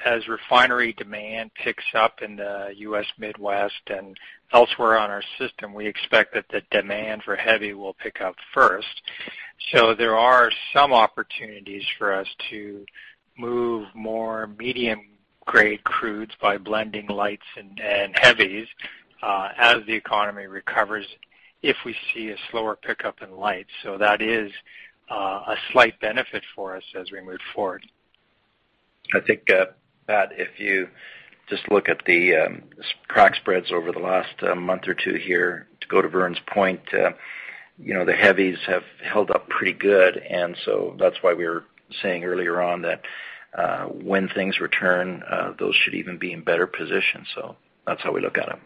G: As refinery demand picks up in the U.S. Midwest and elsewhere on our system, we expect that the demand for heavy will pick up first. There are some opportunities for us to move more medium-grade crudes by blending lights and heavies as the economy recovers if we see a slower pickup in light. That is a slight benefit for us as we move forward.
C: I think, Pat, if you just look at the crack spreads over the last month or two here, to go to Vern's point, the heavies have held up pretty good. That's why we were saying earlier on that when things return, those should even be in better position. That's how we look at them.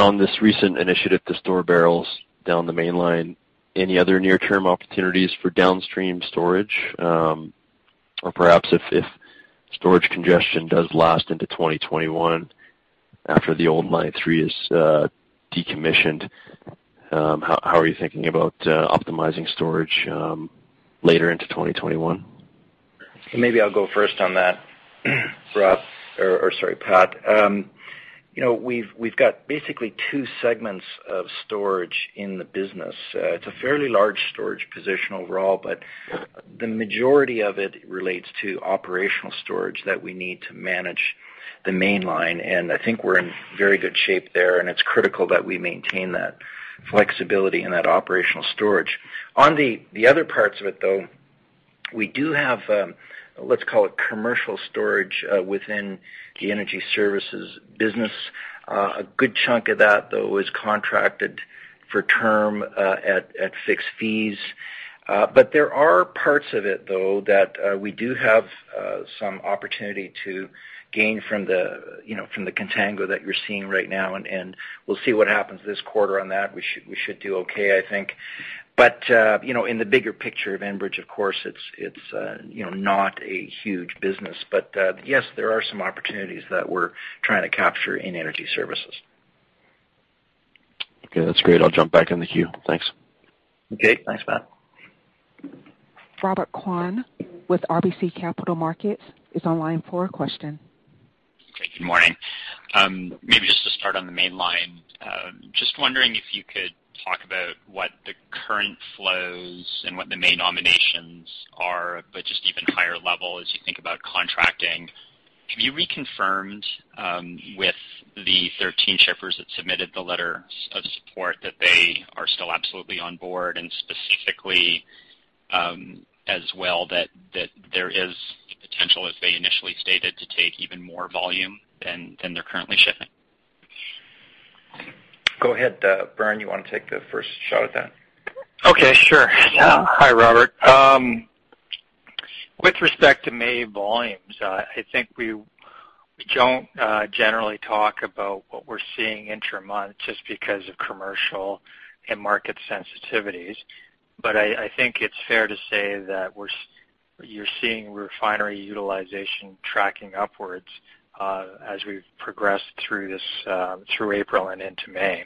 F: On this recent initiative to store barrels down the mainline, any other near-term opportunities for downstream storage? Perhaps if storage congestion does last into 2021 after the old Line 3 is decommissioned, how are you thinking about optimizing storage later into 2021?
C: Maybe I'll go first on that, Rob-- or, sorry, Pat. We've got basically two segments of storage in the business. It's a fairly large storage position overall, but the majority of it relates to operational storage that we need to manage the Mainline, and I think we're in very good shape there, and it's critical that we maintain that flexibility and that operational storage. On the other parts of it, though, we do have, let's call it commercial storage within the Energy Services business. A good chunk of that, though, is contracted for term at fixed fees. There are parts of it, though, that we do have some opportunity to gain from the contango that you're seeing right now, and we'll see what happens this quarter on that. We should do okay, I think. In the bigger picture of Enbridge, of course, it's not a huge business. Yes, there are some opportunities that we're trying to capture in Energy Services.
F: Okay, that's great. I'll jump back in the queue. Thanks.
C: Okay. Thanks, Pat.
A: Robert Kwan with RBC Capital Markets is online for a question.
H: Great. Good morning. Maybe just to start on the Mainline. Just wondering if you could talk about what the current flows and what the main nominations are, but just even higher level as you think about contracting. Can you reconfirm with the 13 shippers that submitted the letter of support that they are still absolutely on board and specifically, as well, that there is the potential, as they initially stated, to take even more volume than they're currently shipping?
C: Go ahead, Vern. You want to take the first shot at that?
G: Okay, sure.
C: Yeah.
G: Hi, Robert. With respect to May volumes, I think we don't generally talk about what we're seeing intermonth just because of commercial and market sensitivities. I think it's fair to say that you're seeing refinery utilization tracking upwards as we've progressed through April and into May.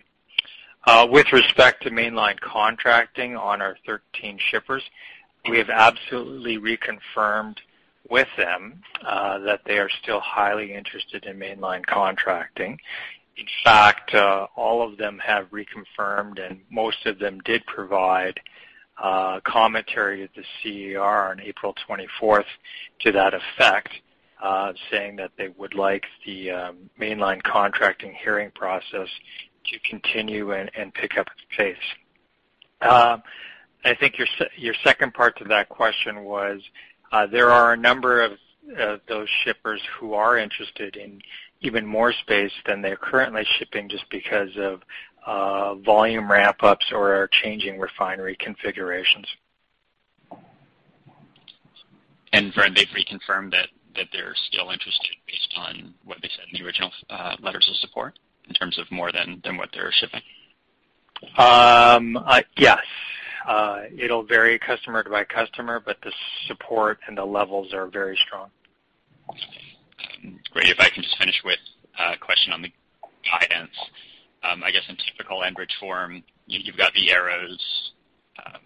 G: With respect to mainline contracting on our 13 shippers, we have absolutely reconfirmed with them that they are still highly interested in mainline contracting. In fact, all of them have reconfirmed, and most of them did provide commentary at the CER on April 24th to that effect, saying that they would like the mainline contracting hearing process to continue and pick up its pace. I think your second part to that question was, there are a number of those shippers who are interested in even more space than they're currently shipping, just because of volume ramp-ups or changing refinery configurations.
H: Vern, they've reconfirmed that they're still interested based on what they said in the original letters of support in terms of more than what they're shipping?
G: Yes. It'll vary customer by customer, but the support and the levels are very strong.
H: Great. If I can just finish with a question on the guidance. I guess in typical Enbridge form, you've got the arrows,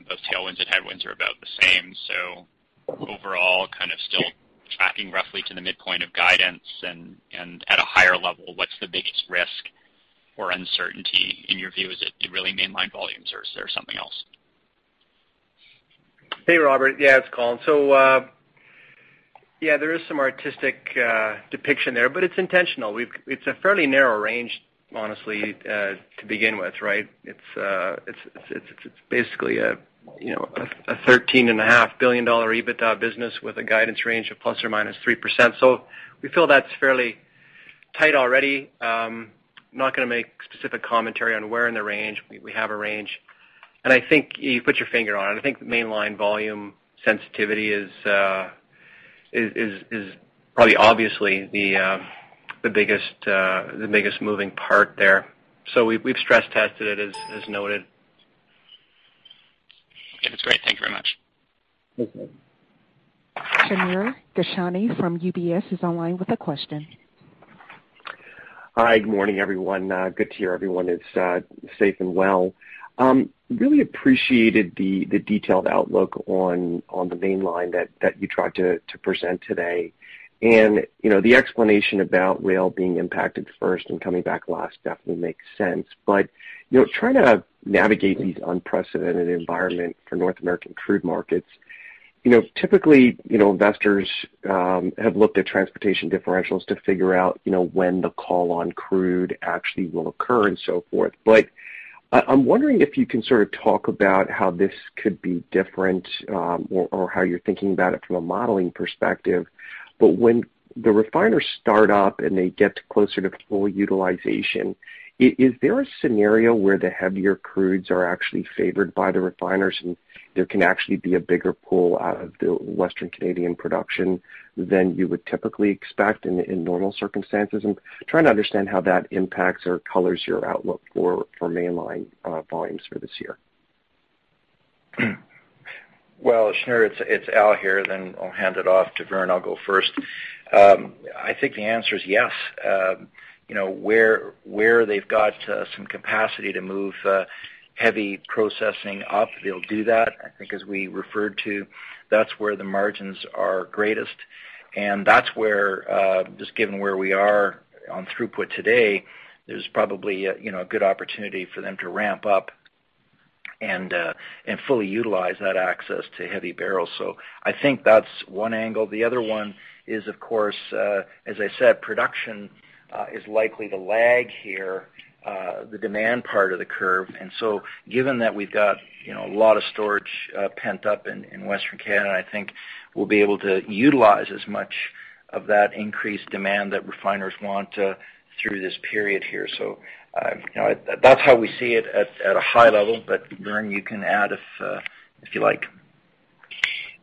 H: both tailwinds and headwinds are about the same. Overall, still tracking roughly to the midpoint of guidance and at a higher level, what's the biggest risk or uncertainty in your view? Is it really Mainline volumes, or is there something else?
D: Hey, Robert. Yeah, it's Colin. There is some artistic depiction there, but it's intentional. It's a fairly narrow range, honestly, to begin with, right? It's basically a 13.5 billion dollar EBITDA business with a guidance range of ±3%. We feel that's fairly tight already. I'm not going to make specific commentary on where in the range. We have a range. I think you put your finger on it. I think the Mainline volume sensitivity is probably obviously the biggest moving part there. We've stress tested it, as noted.
H: That's great. Thank you very much.
C: Thanks Robert.
A: Shneur Gershuni from UBS is online with a question.
I: Hi, good morning, everyone. Good to hear everyone is safe and well. Really appreciated the detailed outlook on the mainline that you tried to present today. The explanation about rail being impacted first and coming back last definitely makes sense. Trying to navigate these unprecedented environment for North American crude markets. Typically, investors have looked at transportation differentials to figure out when the call on crude actually will occur and so forth. I'm wondering if you can sort of talk about how this could be different or how you're thinking about it from a modeling perspective. When the refiners start up and they get closer to full utilization, is there a scenario where the heavier crudes are actually favored by the refiners, and there can actually be a bigger pull out of the Western Canadian production than you would typically expect in normal circumstances? I'm trying to understand how that impacts or colors your outlook for mainline volumes for this year.
C: Shneur, it's Al here, then I'll hand it off to Vern. I'll go first. I think the answer is yes. Where they've got some capacity to move heavy processing up, they'll do that. I think as we referred to, that's where the margins are greatest, and that's where, just given where we are on throughput today, there's probably a good opportunity for them to ramp up and fully utilize that access to heavy barrels. I think that's one angle. The other one is, of course, as I said, production is likely to lag here the demand part of the curve. Given that we've got a lot of storage pent up in Western Canada, I think we'll be able to utilize as much of that increased demand that refiners want through this period here. That's how we see it at a high level. Vern, you can add if you like.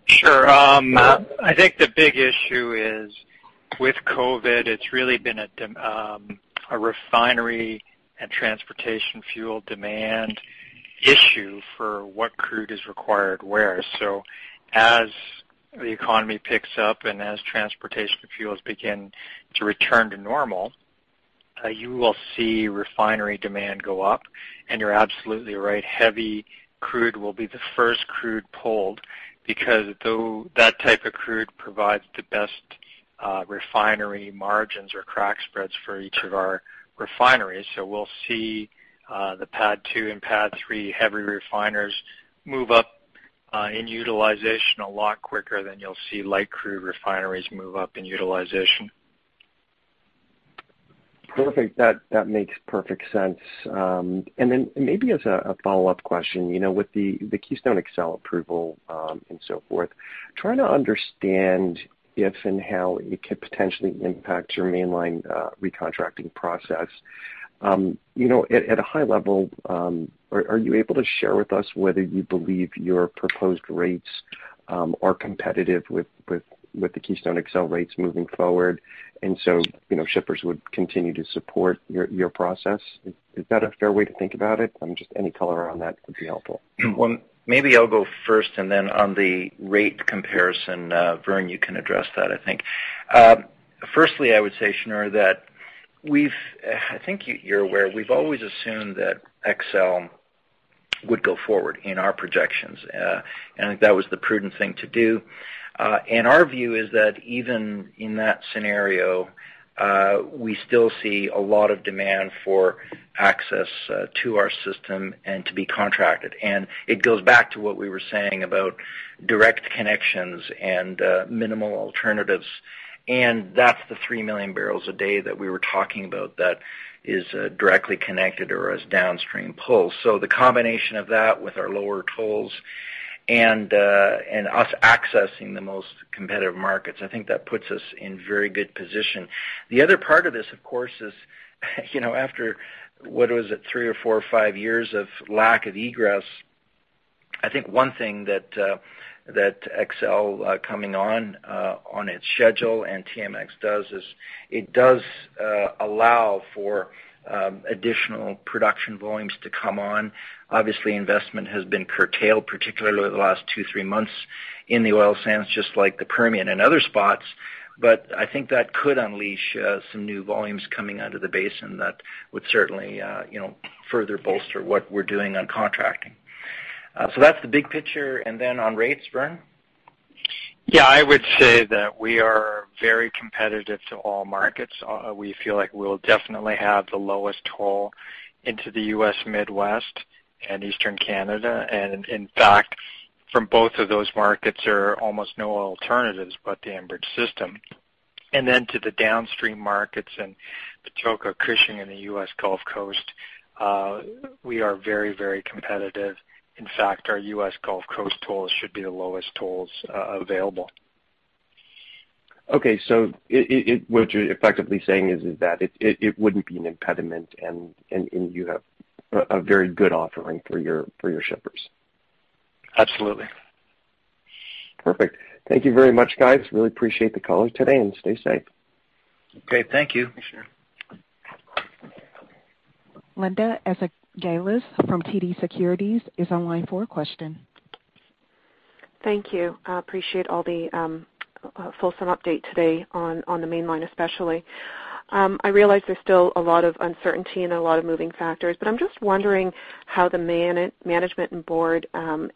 G: Sure. I think the big issue is with COVID, it's really been a refinery and transportation fuel demand issue for what crude is required where. As the economy picks up and as transportation fuels begin to return to normal, you will see refinery demand go up. You're absolutely right, heavy crude will be the first crude pulled because that type of crude provides the best refinery margins or crack spreads for each of our refineries. We'll see the PADD II and PADD III heavy refiners move up in utilization a lot quicker than you'll see light crude refineries move up in utilization.
I: Perfect. That makes perfect sense. Maybe as a follow-up question, with the Keystone XL approval and so forth, trying to understand if and how it could potentially impact your mainline recontracting process. At a high level, are you able to share with us whether you believe your proposed rates are competitive with the Keystone XL rates moving forward, shippers would continue to support your process. Is that a fair way to think about it? Just any color around that would be helpful.
C: Well, maybe I'll go first, then on the rate comparison, Vern, you can address that, I think. Firstly, I would say, Shneur, that I think you're aware, we've always assumed that XL would go forward in our projections. I think that was the prudent thing to do. Our view is that even in that scenario, we still see a lot of demand for access to our system and to be contracted. It goes back to what we were saying about direct connections and minimal alternatives. That's the three million barrels a day that we were talking about that is directly connected or is downstream pull. The combination of that with our lower tolls and us accessing the most competitive markets, I think that puts us in very good position. The other part of this, of course, is after, what was it? Three or four or five years of lack of egress, I think one thing that XL coming on its schedule, and TMX does is it does allow for additional production volumes to come on. Obviously, investment has been curtailed, particularly over the last two, three months in the oil sands, just like the Permian and other spots. I think that could unleash some new volumes coming out of the basin that would certainly further bolster what we're doing on contracting. That's the big picture. And then on rates, Vern?
G: Yeah, I would say that we are very competitive to all markets. We feel like we'll definitely have the lowest toll into the US Midwest and Eastern Canada. In fact, from both of those markets, there are almost no alternatives but the Enbridge system. To the downstream markets and Patoka, Cushing, and the US Gulf Coast, we are very competitive. In fact, our US Gulf Coast tolls should be the lowest tolls available.
I: What you're effectively saying is that it wouldn't be an impediment and you have a very good offering for your shippers.
G: Absolutely.
I: Perfect. Thank you very much, guys. Really appreciate the call today and stay safe.
C: Okay, thank you.
G: Thanks, Shneur.
A: Linda Ezergailis from TD Securities is on line for a question.
J: Thank you. Appreciate all the fulsome update today on the Mainline, especially. I realize there's still a lot of uncertainty and a lot of moving factors, but I'm just wondering how the management and Board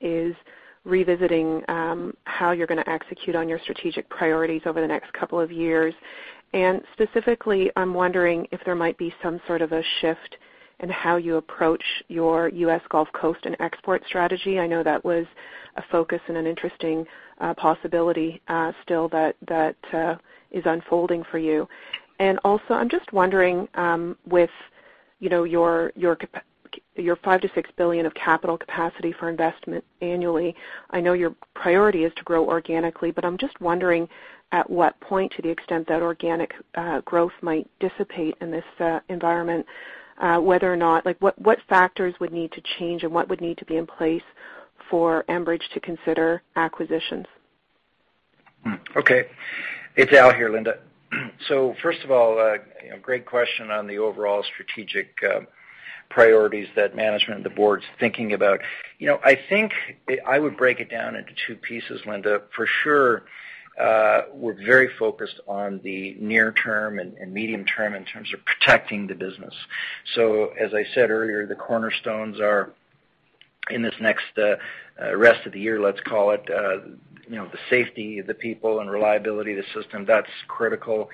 J: is revisiting how you're going to execute on your strategic priorities over the next couple of years. Specifically, I'm wondering if there might be some sort of a shift in how you approach your U.S. Gulf Coast and export strategy. I know that was a focus and an interesting possibility still that is unfolding for you. I'm just wondering, with your 5 billion-6 billion of capital capacity for investment annually, I know your priority is to grow organically, but I'm just wondering at what point, to the extent that organic growth might dissipate in this environment, what factors would need to change and what would need to be in place for Enbridge to consider acquisitions?
C: Okay. It's Al here, Linda. First of all, great question on the overall strategic priorities that management and the board's thinking about. I think I would break it down into two pieces, Linda. For sure, we're very focused on the near term and medium term in terms of protecting the business. As I said earlier, the cornerstones are in this next rest of the year, let's call it, the safety of the people and reliability of the system, that's critical.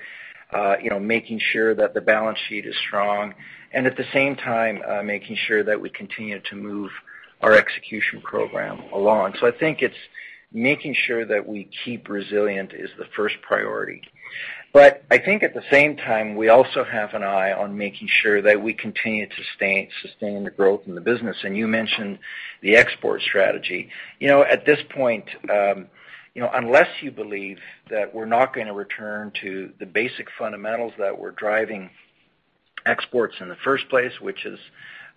C: Making sure that the balance sheet is strong, and at the same time, making sure that we continue to move our execution program along. I think it's making sure that we keep resilient is the first priority. I think at the same time, we also have an eye on making sure that we continue to sustain the growth in the business. You mentioned the export strategy. At this point, unless you believe that we're not going to return to the basic fundamentals that were driving exports in the first place, which is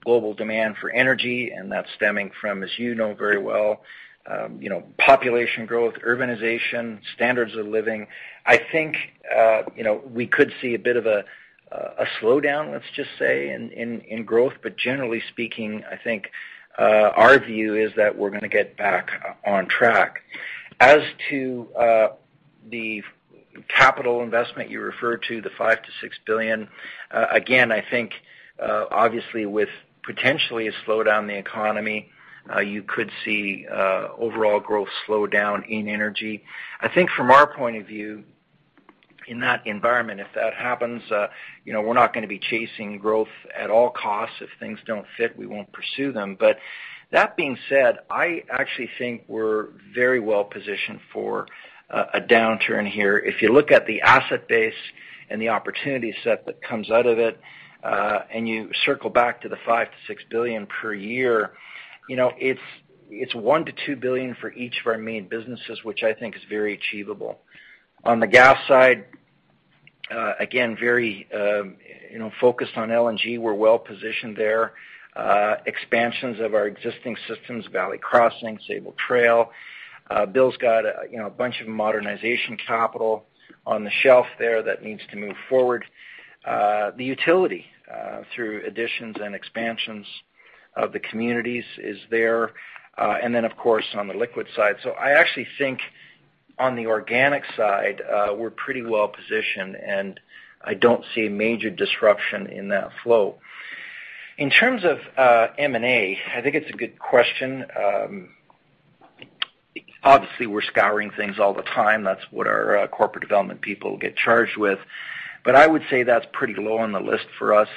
C: global demand for energy, and that's stemming from, as you know very well, population growth, urbanization, standards of living. I think we could see a bit of a slowdown, let's just say, in growth. Generally speaking, I think, our view is that we're going to get back on track. As to the capital investment you referred to, the 5 billion-6 billion, again, I think, obviously with potentially a slowdown in the economy, you could see overall growth slow down in energy. I think from our point of view, in that environment, if that happens, we're not going to be chasing growth at all costs. If things don't fit, we won't pursue them. That being said, I actually think we're very well positioned for a downturn here. If you look at the asset base and the opportunity set that comes out of it, and you circle back to the 5 billion-6 billion per year, it's 1 billion-2 billion for each of our main businesses, which I think is very achievable. On the gas side. Again, very focused on LNG. We're well-positioned there. Expansions of our existing systems, Valley Crossing, Sabal Trail. Bill's got a bunch of modernization capital on the shelf there that needs to move forward. The utility through additions and expansions of the communities is there. Then of course, on the liquid side. I actually think on the organic side, we're pretty well-positioned, and I don't see a major disruption in that flow. In terms of M&A, I think it's a good question. Obviously, we're scouring things all the time. That's what our corporate development people get charged with. I would say that's pretty low on the list for us.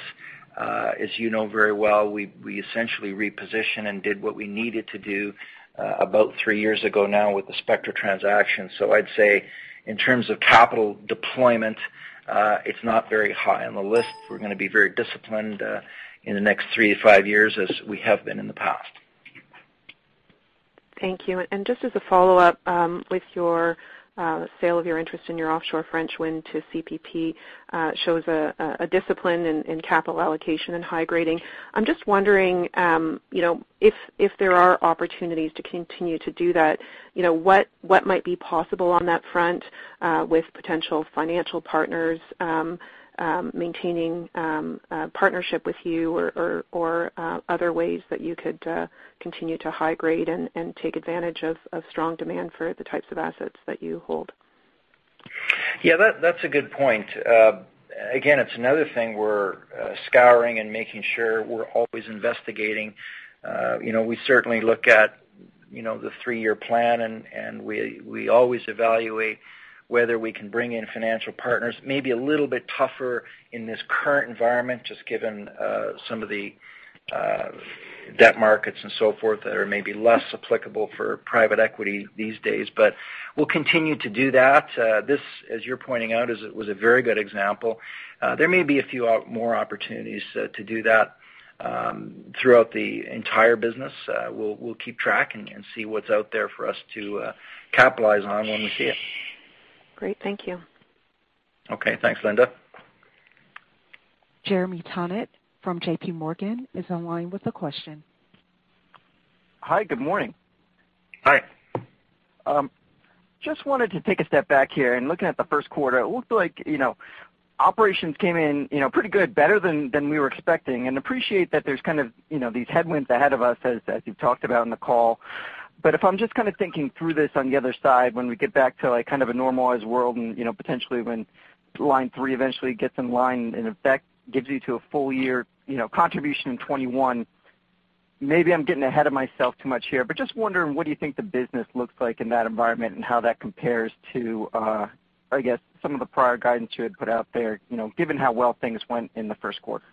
C: As you know very well, we essentially repositioned and did what we needed to do about three years ago now with the Spectra transaction. I'd say in terms of capital deployment, it's not very high on the list. We're going to be very disciplined in the next three to five years, as we have been in the past.
J: Thank you. Just as a follow-up, with your sale of your interest in your offshore French wind to CPPIB, shows a discipline in capital allocation and high grading. I'm just wondering if there are opportunities to continue to do that, what might be possible on that front with potential financial partners maintaining partnership with you or other ways that you could continue to high grade and take advantage of strong demand for the types of assets that you hold?
C: That's a good point. It's another thing we're scouring and making sure we're always investigating. We certainly look at the three-year plan, and we always evaluate whether we can bring in financial partners. Maybe a little bit tougher in this current environment, just given some of the debt markets and so forth that are maybe less applicable for private equity these days. We'll continue to do that. This, as you're pointing out, was a very good example. There may be a few more opportunities to do that throughout the entire business. We'll keep tracking and see what's out there for us to capitalize on when we see it.
J: Great. Thank you.
C: Okay. Thanks, Linda.
A: Jeremy Tonet from JPMorgan Chase & Co. is online with a question.
K: Hi. Good morning. Just wanted to take a step back here, and looking at the first quarter, it looked like operations came in pretty good, better than we were expecting. Appreciate that there's kind of these headwinds ahead of us, as you've talked about on the call. If I'm just kind of thinking through this on the other side, when we get back to kind of a normalized world and potentially when Line 3 eventually gets in line and effect gives you to a full year contribution in 2021. Maybe I'm getting ahead of myself too much here, but just wondering what do you think the business looks like in that environment, and how that compares to, I guess, some of the prior guidance you had put out there, given how well things went in the first quarter?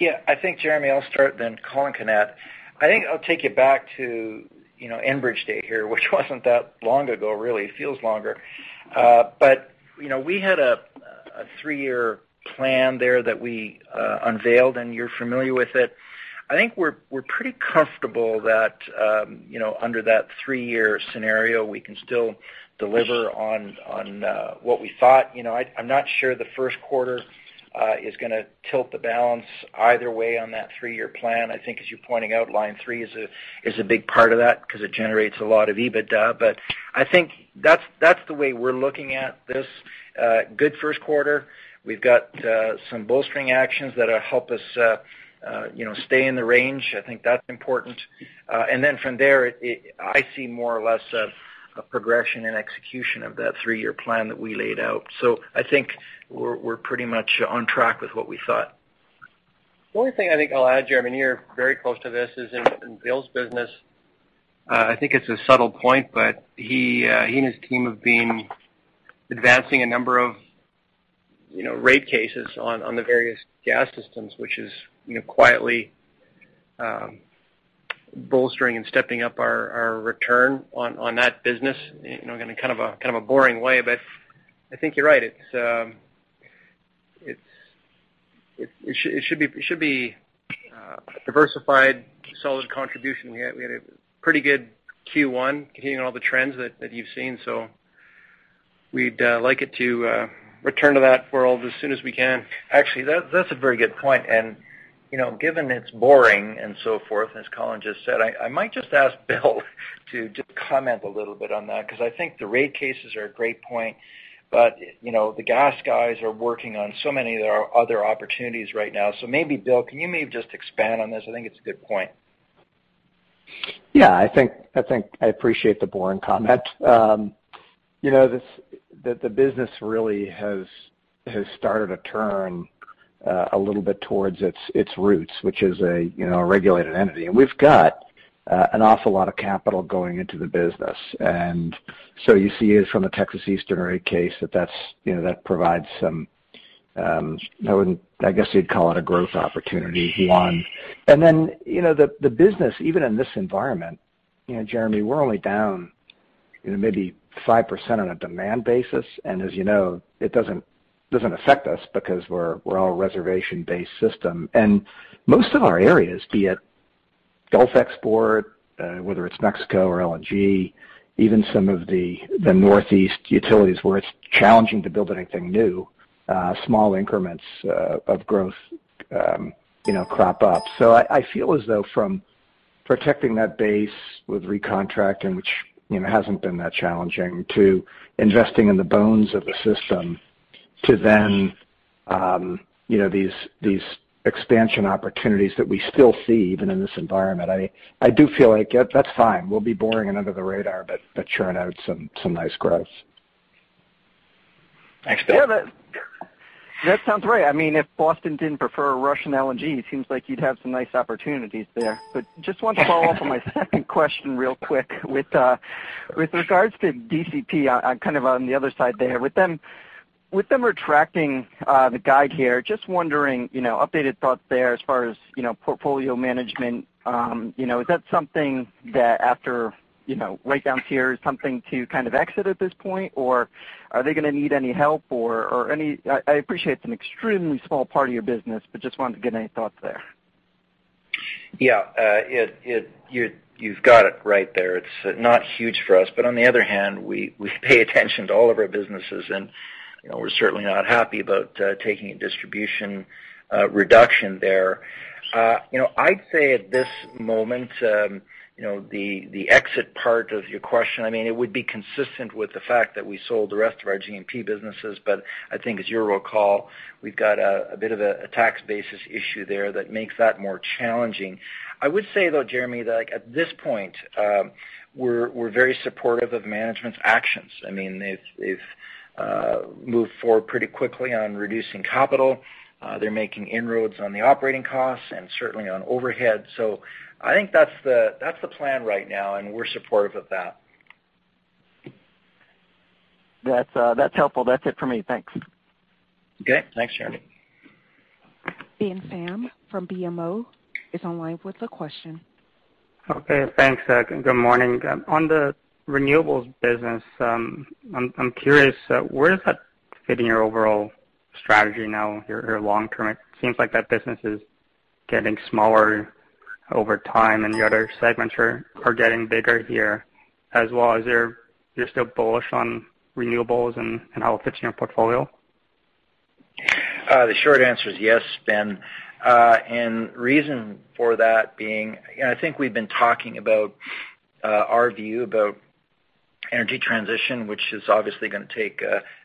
C: Yeah, I think, Jeremy, I'll start then Colin can add. I think I'll take you back to Enbridge Day here, which wasn't that long ago really, it feels longer. We had a three-year plan there that we unveiled, and you're familiar with it. I think we're pretty comfortable that under that three-year scenario, we can still deliver on what we thought. I'm not sure the first quarter is going to tilt the balance either way on that three-year plan. I think as you're pointing out, Line 3 is a big part of that because it generates a lot of EBITDA. I think that's the way we're looking at this good first quarter. We've got some bolstering actions that'll help us stay in the range. I think that's important. From there, I see more or less a progression and execution of that three-year plan that we laid out. I think we're pretty much on track with what we thought.
D: The only thing I think I'll add, Jeremy, and you're very close to this, is in Bill's business. I think it's a subtle point, He and his team have been advancing a number of rate cases on the various gas systems, which is quietly bolstering and stepping up our return on that business in kind of a boring way. I think you're right. It should be diversified, solid contribution. We had a pretty good Q1 continuing all the trends that you've seen. We'd like it to return to that world as soon as we can.
C: Actually, that's a very good point, and given it's boring and so forth, as Colin just said, I might just ask Bill to just comment a little bit on that because I think the rate cases are a great point, but the gas guys are working on so many other opportunities right now. Maybe Bill, can you maybe just expand on this? I think it's a good point.
L: I appreciate the boring comment. The business really has started to turn a little bit towards its roots, which is a regulated entity. We've got an awful lot of capital going into the business. You see it from a Texas Eastern rate case that provides some I guess you'd call it a growth opportunity, one. The business, even in this environment, Jeremy, we're only down maybe 5% on a demand basis. As you know, it doesn't affect us because we're all reservation-based system. Most of our areas, be it Gulf export, whether it's Mexico or LNG, even some of the Northeast utilities, where it's challenging to build anything new, small increments of growth crop up. I feel as though from protecting that base with recontracting, which hasn't been that challenging, to investing in the bones of the system, to then these expansion opportunities that we still see even in this environment. I do feel like that's fine. We'll be boring and under the radar, but churn out some nice growth.
C: Thanks, Bill.
K: Yeah, that sounds right. If Boston didn't prefer Russian LNG, it seems like you'd have some nice opportunities there. Just want to follow up on my second question real quick with regards to DCP, I'm on the other side there. With them retracting the guide here, just wondering, updated thoughts there as far as portfolio management. Is that something that after write-downs here is something to exit at this point, or are they going to need any help? I appreciate it's an extremely small part of your business, but just wanted to get any thoughts there.
C: You've got it right there. It's not huge for us, but on the other hand, we pay attention to all of our businesses, and we're certainly not happy about taking a distribution reduction there. I'd say at this moment, the exit part of your question, it would be consistent with the fact that we sold the rest of our G&P businesses. I think as you'll recall, we've got a bit of a tax basis issue there that makes that more challenging. I would say, though, Jeremy, that at this point, we're very supportive of management's actions. They've moved forward pretty quickly on reducing capital. They're making inroads on the operating costs and certainly on overhead. I think that's the plan right now, and we're supportive of that.
K: That's helpful. That's it for me. Thanks.
C: Okay. Thanks, Jeremy.
A: Ben Pham from BMO is online with a question.
M: Okay, thanks. Good morning. On the renewables business, I'm curious, where does that fit in your overall strategy now, your long-term? It seems like that business is getting smaller over time, and the other segments are getting bigger here as well. Are you still bullish on renewables and how it fits in your portfolio?
C: The short answer is yes, Ben. Reason for that being, I think we've been talking about our view about energy transition, which is obviously going to take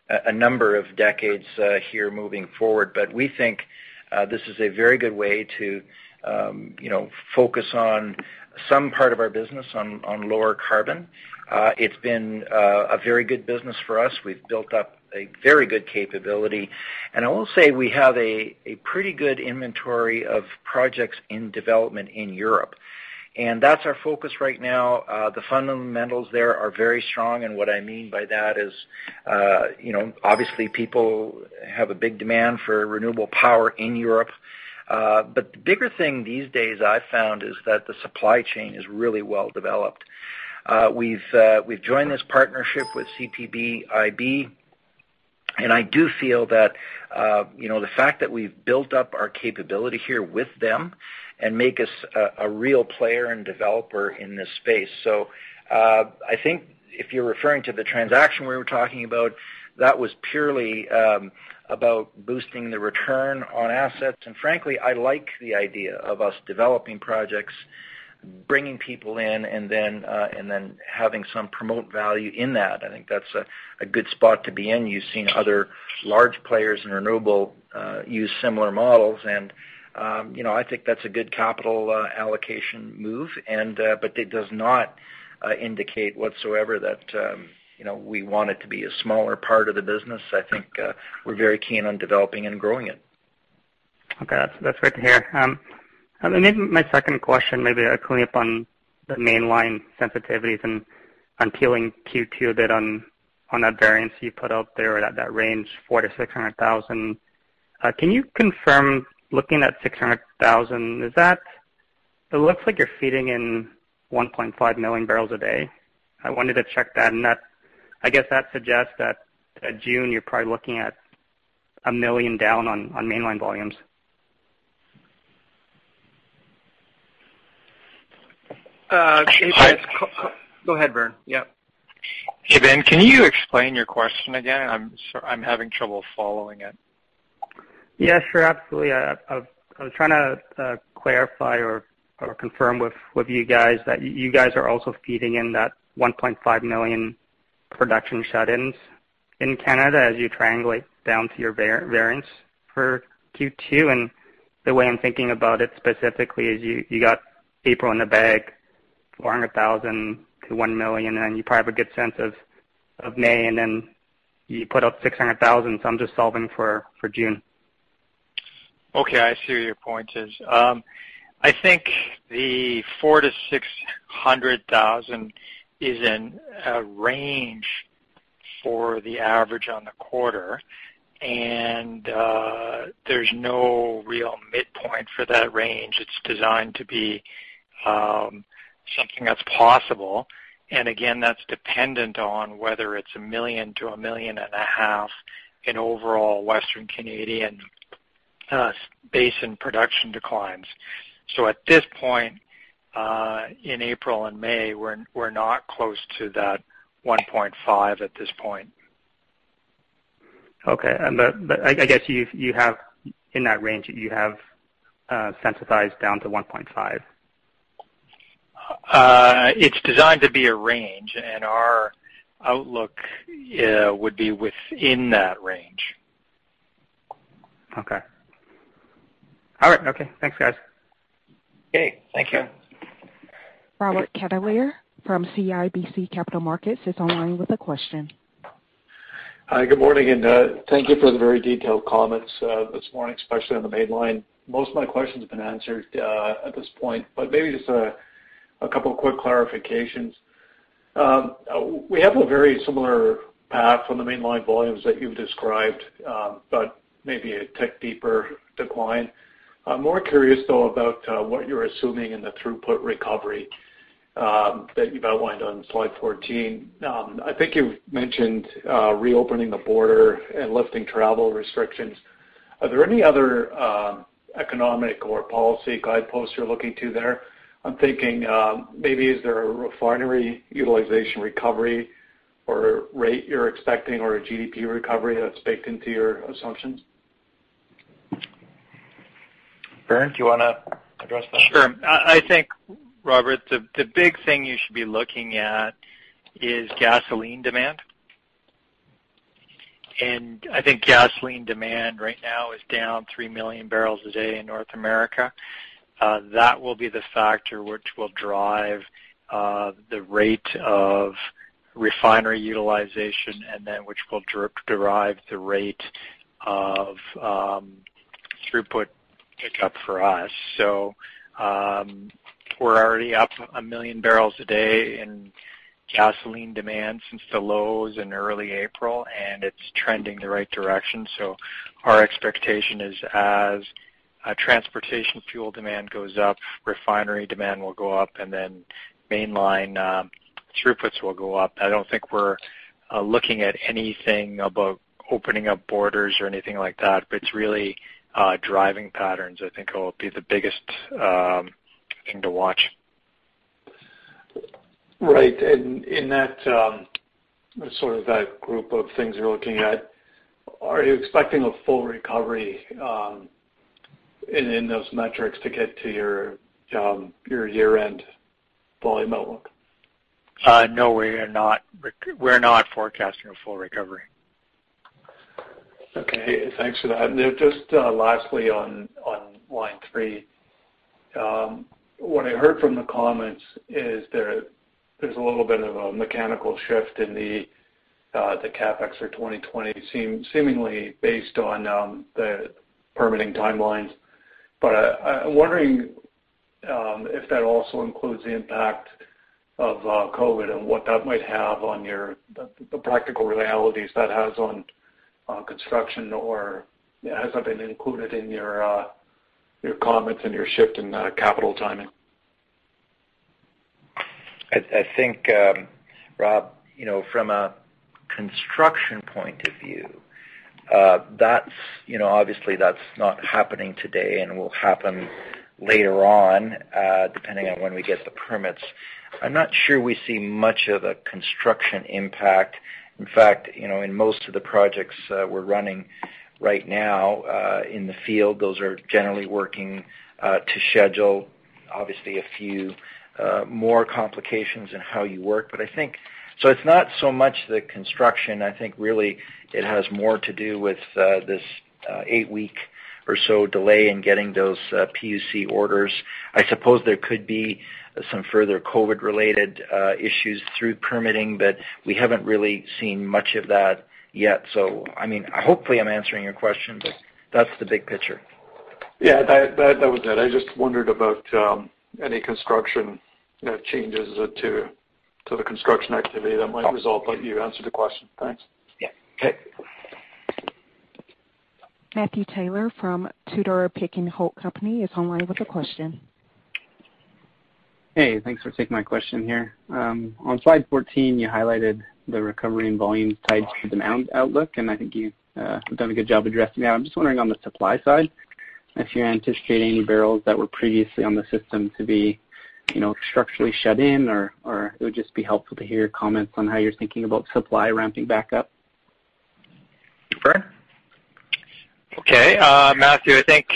C: a number of decades here moving forward. We think this is a very good way to focus on some part of our business on lower carbon. It's been a very good business for us. We've built up a very good capability, and I will say we have a pretty good inventory of projects in development in Europe, and that's our focus right now. The fundamentals there are very strong, and what I mean by that is obviously people have a big demand for renewable power in Europe. The bigger thing these days I've found is that the supply chain is really well-developed. We've joined this partnership with CPPIB. I do feel that the fact that we've built up our capability here with them and make us a real player and developer in this space. I think if you're referring to the transaction we were talking about, that was purely about boosting the return on assets. Frankly, I like the idea of us developing projects, bringing people in, and then having some promote value in that. I think that's a good spot to be in. You've seen other large players in renewable use similar models. I think that's a good capital allocation move. It does not indicate whatsoever that we want it to be a smaller part of the business. I think we're very keen on developing and growing it.
M: Okay. That's great to hear. My second question, maybe cleaning up on the mainline sensitivities and peeling Q2 a bit on that variance you put out there at that range, 400,000-600,000 barrels. Can you confirm, looking at 600,000 barrels, it looks like you're feeding in 1.5 million barrels a day? I wanted to check that, I guess that suggests that at June, you're probably looking at 1 million down on mainline volumes.
C: Go ahead, Vern. Yep.
G: Hey, Ben, can you explain your question again? I'm having trouble following it.
M: Yeah, sure. Absolutely. I was trying to clarify or confirm with you guys that you guys are also feeding in that 1.5 million production shut-ins in Canada as you triangulate down to your variance for Q2. The way I'm thinking about it specifically is you got April in the bag, 400,000-1 million, and then you probably have a good sense of May, and then you put up 600,000. I'm just solving for June.
G: Okay. I see where your point is. I think the 400,000- 600,000 barrels is in a range for the average on the quarter. There's no real midpoint for that range. It's designed to be something that's possible. Again, that's dependent on whether it's 1 million- 1.5 million barrels in overall Western Canadian Basin production declines. At this point, in April and May, we're not close to that 1.5 million barrels at this point.
M: Okay. I guess, in that range, you have sensitized down to 1.5 million barrels.
G: It's designed to be a range, and our outlook would be within that range.
M: Okay. All right. Okay. Thanks, guys.
G: Okay. Thank you.
A: Robert Catellier from CIBC Capital Markets is online with a question.
N: Hi. Good morning, and thank you for the very detailed comments this morning, especially on the Mainline. Most of my questions have been answered at this point, but maybe just a couple of quick clarifications. We have a very similar path on the mainline volumes that you've described, but maybe it took deeper decline. I'm more curious, though, about what you're assuming in the throughput recovery that you've outlined on slide 14. I think you've mentioned reopening the border and lifting travel restrictions. Are there any other economic or policy guideposts you're looking to there? I'm thinking, maybe is there a refinery utilization recovery or rate you're expecting or a GDP recovery that's baked into your assumptions?
C: Vern, do you want to address that?
G: Sure. I think, Robert, the big thing you should be looking at is gasoline demand. I think gasoline demand right now is down 3 million barrels a day in North America. That will be the factor which will drive the rate of refinery utilization and then which will drive the rate of throughput pickup for us. We're already up 1 million barrels a day in gasoline demand since the lows in early April, and it's trending the right direction. Our expectation is as transportation fuel demand goes up, refinery demand will go up, and then Mainline throughputs will go up. I don't think we're looking at anything about opening up borders or anything like that, but it's really driving patterns I think will be the biggest thing to watch.
N: Right. In that sort of that group of things you're looking at, are you expecting a full recovery in those metrics to get to your year-end volume outlook?
G: No, we're not forecasting a full recovery.
N: Okay. Thanks for that. Just lastly on Line 3. What I heard from the comments is there's a little bit of a mechanical shift in the CapEx for 2020, seemingly based on the permitting timelines. I'm wondering if that also includes the impact of COVID and what that might have on the practical realities that has on construction, or has that been included in your comments and your shift in capital timing?
C: I think, Rob, from a construction point of view, obviously, that's not happening today and will happen later on, depending on when we get the permits. I'm not sure we see much of a construction impact. In most of the projects we're running right now in the field, those are generally working to schedule. A few more complications in how you work. It's not so much the construction. I think really it has more to do with this eight-week or so delay in getting those PUC orders. I suppose there could be some further COVID-related issues through permitting, we haven't really seen much of that yet. Hopefully, I'm answering your question, that's the big picture.
N: Yeah, that was it. I just wondered about any construction changes to the construction activity that might result, but you answered the question. Thanks.
C: Yeah.
N: Okay.
A: Matthew Taylor from Tudor, Pickering, Holt & Co. is online with a question.
O: Hey, thanks for taking my question here. On slide 14, you highlighted the recovery in volumes tied to demand outlook, and I think you've done a good job addressing that. I'm just wondering on the supply side, if you're anticipating any barrels that were previously on the system to be structurally shut in, or it would just be helpful to hear your comments on how you're thinking about supply ramping back up.
C: Vern?
G: Okay. Matthew, I think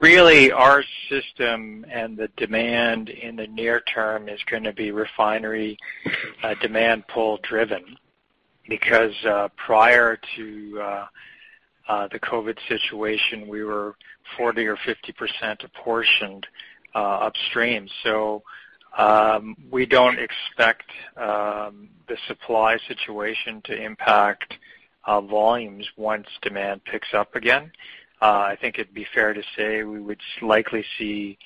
G: really our system and the demand in the near term is going to be refinery demand pull-driven because, prior to the COVID situation, we were 40% or 50% apportioned upstream. We don't expect the supply situation to impact volumes once demand picks up again. I think it'd be fair to say we would likely see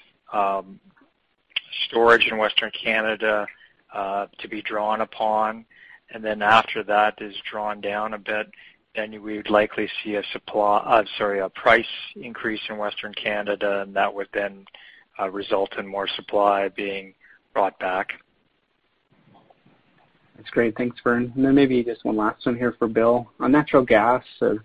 G: storage in Western Canada to be drawn upon. After that is drawn down a bit, then we would likely see a price increase in Western Canada. That would then result in more supply being brought back.
O: That's great. Thanks, Vern. Maybe just one last one here for Bill. On natural gas, as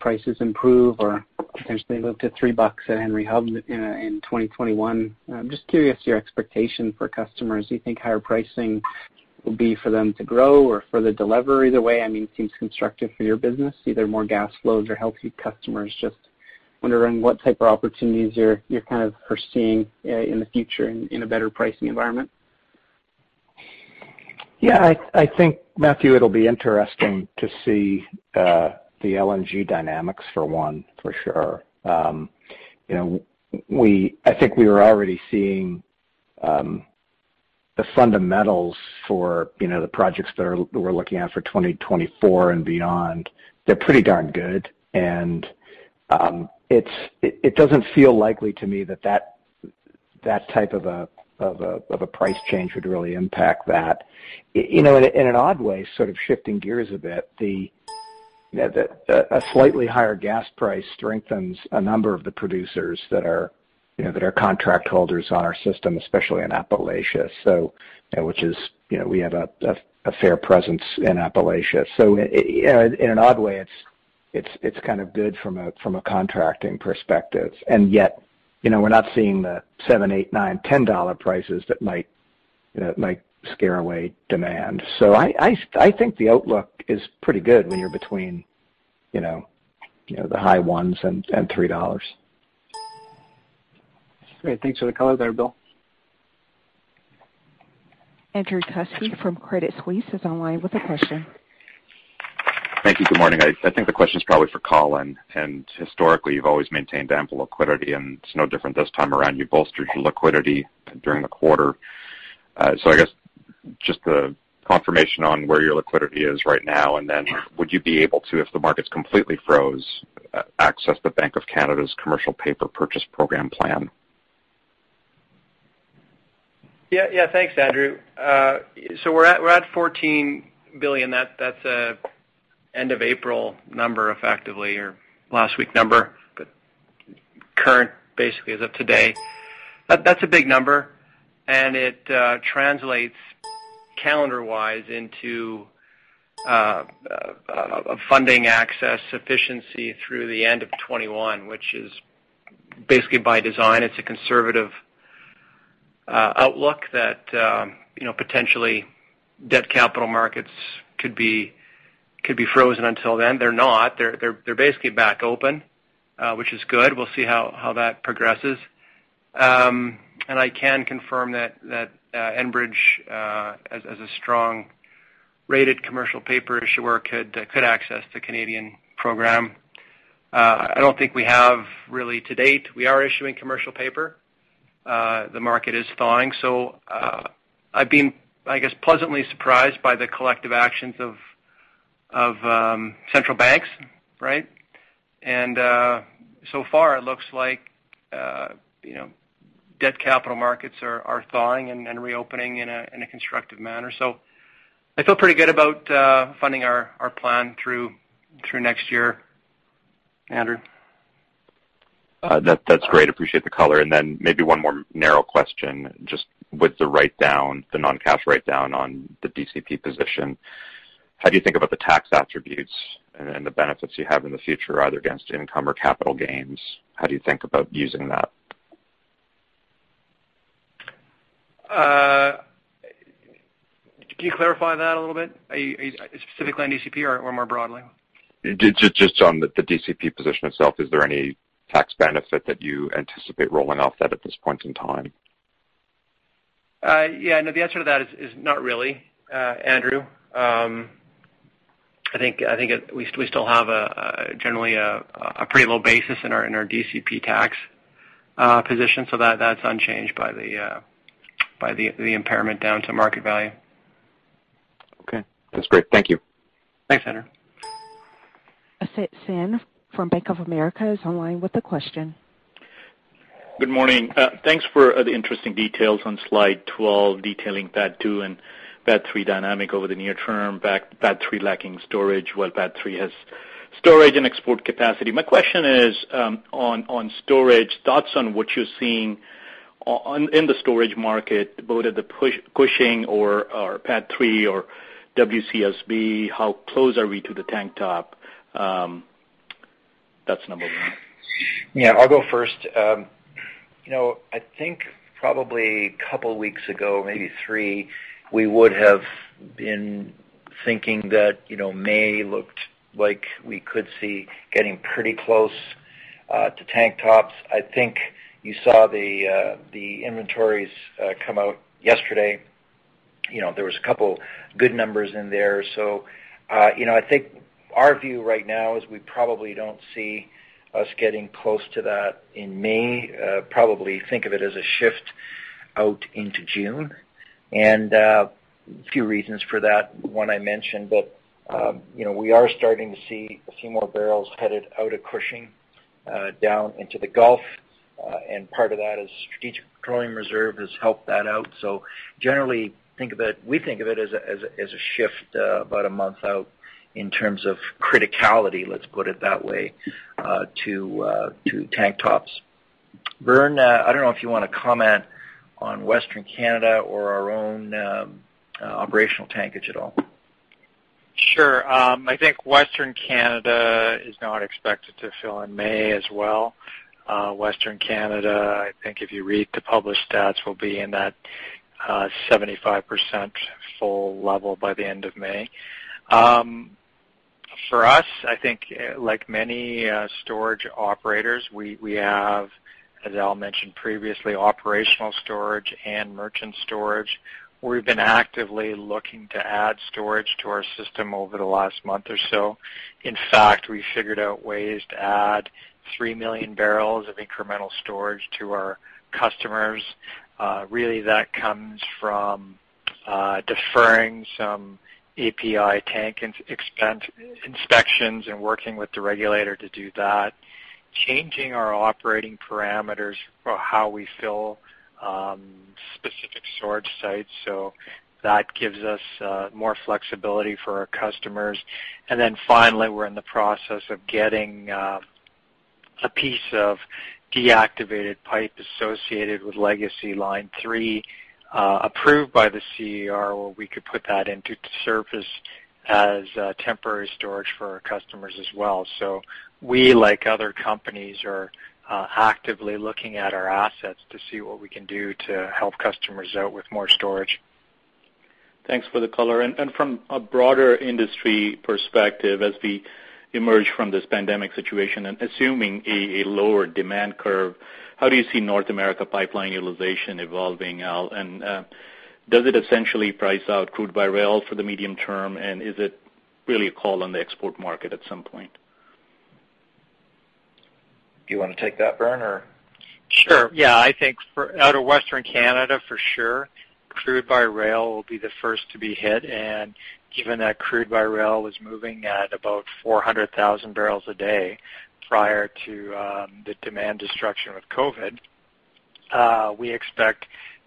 O: prices improve or potentially move to 3 bucks at Henry Hub in 2021, I'm just curious your expectation for customers. Do you think higher pricing will be for them to grow or for the delivery? Either way, it seems constructive for your business, either more gas flows or healthy customers. Just wondering what type of opportunities you're kind of foreseeing in the future in a better pricing environment.
L: Yeah. I think, Matthew, it'll be interesting to see the LNG dynamics for one, for sure. I think we are already seeing the fundamentals for the projects that we're looking at for 2024 and beyond. They're pretty darn good. It doesn't feel likely to me that that type of a price change would really impact that. In an odd way, sort of shifting gears a bit, a slightly higher gas price strengthens a number of the producers that are contract holders on our system, especially in Appalachia, which we have a fair presence in Appalachia. In an odd way, it's kind of good from a contracting perspective. Yet we're not seeing the 7, 8, 9, 10 dollar prices that might scare away demand. I think the outlook is pretty good when you're between the high CAD 1 and 3 dollars.
O: Great. Thanks for the color there, Bill.
A: Andrew Kuske from Credit Suisse is online with a question.
P: Thank you. Good morning. I think the question's probably for Colin. Historically, you've always maintained ample liquidity, and it's no different this time around. You've bolstered your liquidity during the quarter. I guess just a confirmation on where your liquidity is right now, and then would you be able to, if the markets completely froze, access the Bank of Canada's Commercial Paper Purchase Program plan?
D: Yeah. Thanks, Andrew. We're at 14 billion. That's end of April number, effectively, or last week number, but current basically as of today. That's a big number, it translates calendar-wise into a funding access sufficiency through the end of 2021, which is basically by design. It's a conservative outlook that potentially debt capital markets could be frozen until then. They're not. They're basically back open, which is good. We'll see how that progresses. I can confirm that Enbridge, as a strong-rated commercial paper issuer, could access the Canadian Program. I don't think we have really to date. We are issuing commercial paper. The market is thawing. I've been, I guess, pleasantly surprised by the collective actions of central banks, right? It looks like debt capital markets are thawing and reopening in a constructive manner. I feel pretty good about funding our plan through next year, Andrew.
P: That's great. Appreciate the color. Then maybe one more narrow question, just with the non-cash write-down on the DCP position, how do you think about the tax attributes and the benefits you have in the future, either against income or capital gains? How do you think about using that?
D: Can you clarify that a little bit? Specifically on DCP or more broadly?
P: Just on the DCP position itself, is there any tax benefit that you anticipate rolling off that at this point in time?
D: Yeah, no. The answer to that is not really, Andrew. I think we still have generally a pretty low basis in our DCP tax position, so that's unchanged by the impairment down to market value.
P: Okay. That's great. Thank you.
D: Thanks, Andrew.
A: Asit Sen from Bank of America Corporation is online with a question.
Q: Good morning. Thanks for the interesting details on slide 12, detailing PADD II and PADD III dynamic over the near term, PADD II lacking storage, while PADD III has storage and export capacity. My question is on storage, thoughts on what you're seeing in the storage market, both at the Cushing or PADD III or WCSB? How close are we to the tank top? That's number one.
C: Yeah, I'll go first. I think probably a couple weeks ago, maybe three, we would have been thinking that May looked like we could see getting pretty close to tank tops. I think you saw the inventories come out yesterday. There was a couple good numbers in there. I think our view right now is we probably don't see us getting close to that in May. Probably think of it as a shift out into June. A few reasons for that. One, I mentioned, but we are starting to see a few more barrels headed out of Cushing, down into the Gulf. Part of that is Strategic Petroleum Reserve has helped that out. Generally, we think of it as a shift about a month out in terms of criticality, let's put it that way, to tank tops. Vern, I don't know if you want to comment on Western Canada or our own operational tankage at all.
G: Sure. I think Western Canada is now expected to fill in May as well. Western Canada, I think if you read the published stats, will be in that 75% full level by the end of May. For us, I think like many storage operators, we have, as Al mentioned previously, operational storage and merchant storage. We've been actively looking to add storage to our system over the last month or so. We figured out ways to add 3 million barrels of incremental storage to our customers. Really that comes from deferring some API tank expense inspections and working with the regulator to do that, changing our operating parameters for how we fill specific storage sites. That gives us more flexibility for our customers. Finally, we're in the process of getting a piece of deactivated pipe associated with Legacy Line 3, approved by the CER, where we could put that into service as temporary storage for our customers as well. We, like other companies, are actively looking at our assets to see what we can do to help customers out with more storage.
Q: Thanks for the color. From a broader industry perspective, as we emerge from this pandemic situation and assuming a lower demand curve, how do you see North America pipeline utilization evolving, Al? Does it essentially price out crude by rail for the medium term? Is it really a call on the export market at some point?
C: Do you want to take that, Vern, or?
G: Sure. Yeah, I think out of Western Canada, for sure, crude by rail will be the first to be hit. Given that crude by rail was moving at about 400,000 barrels a day prior to the demand destruction with COVID, we expect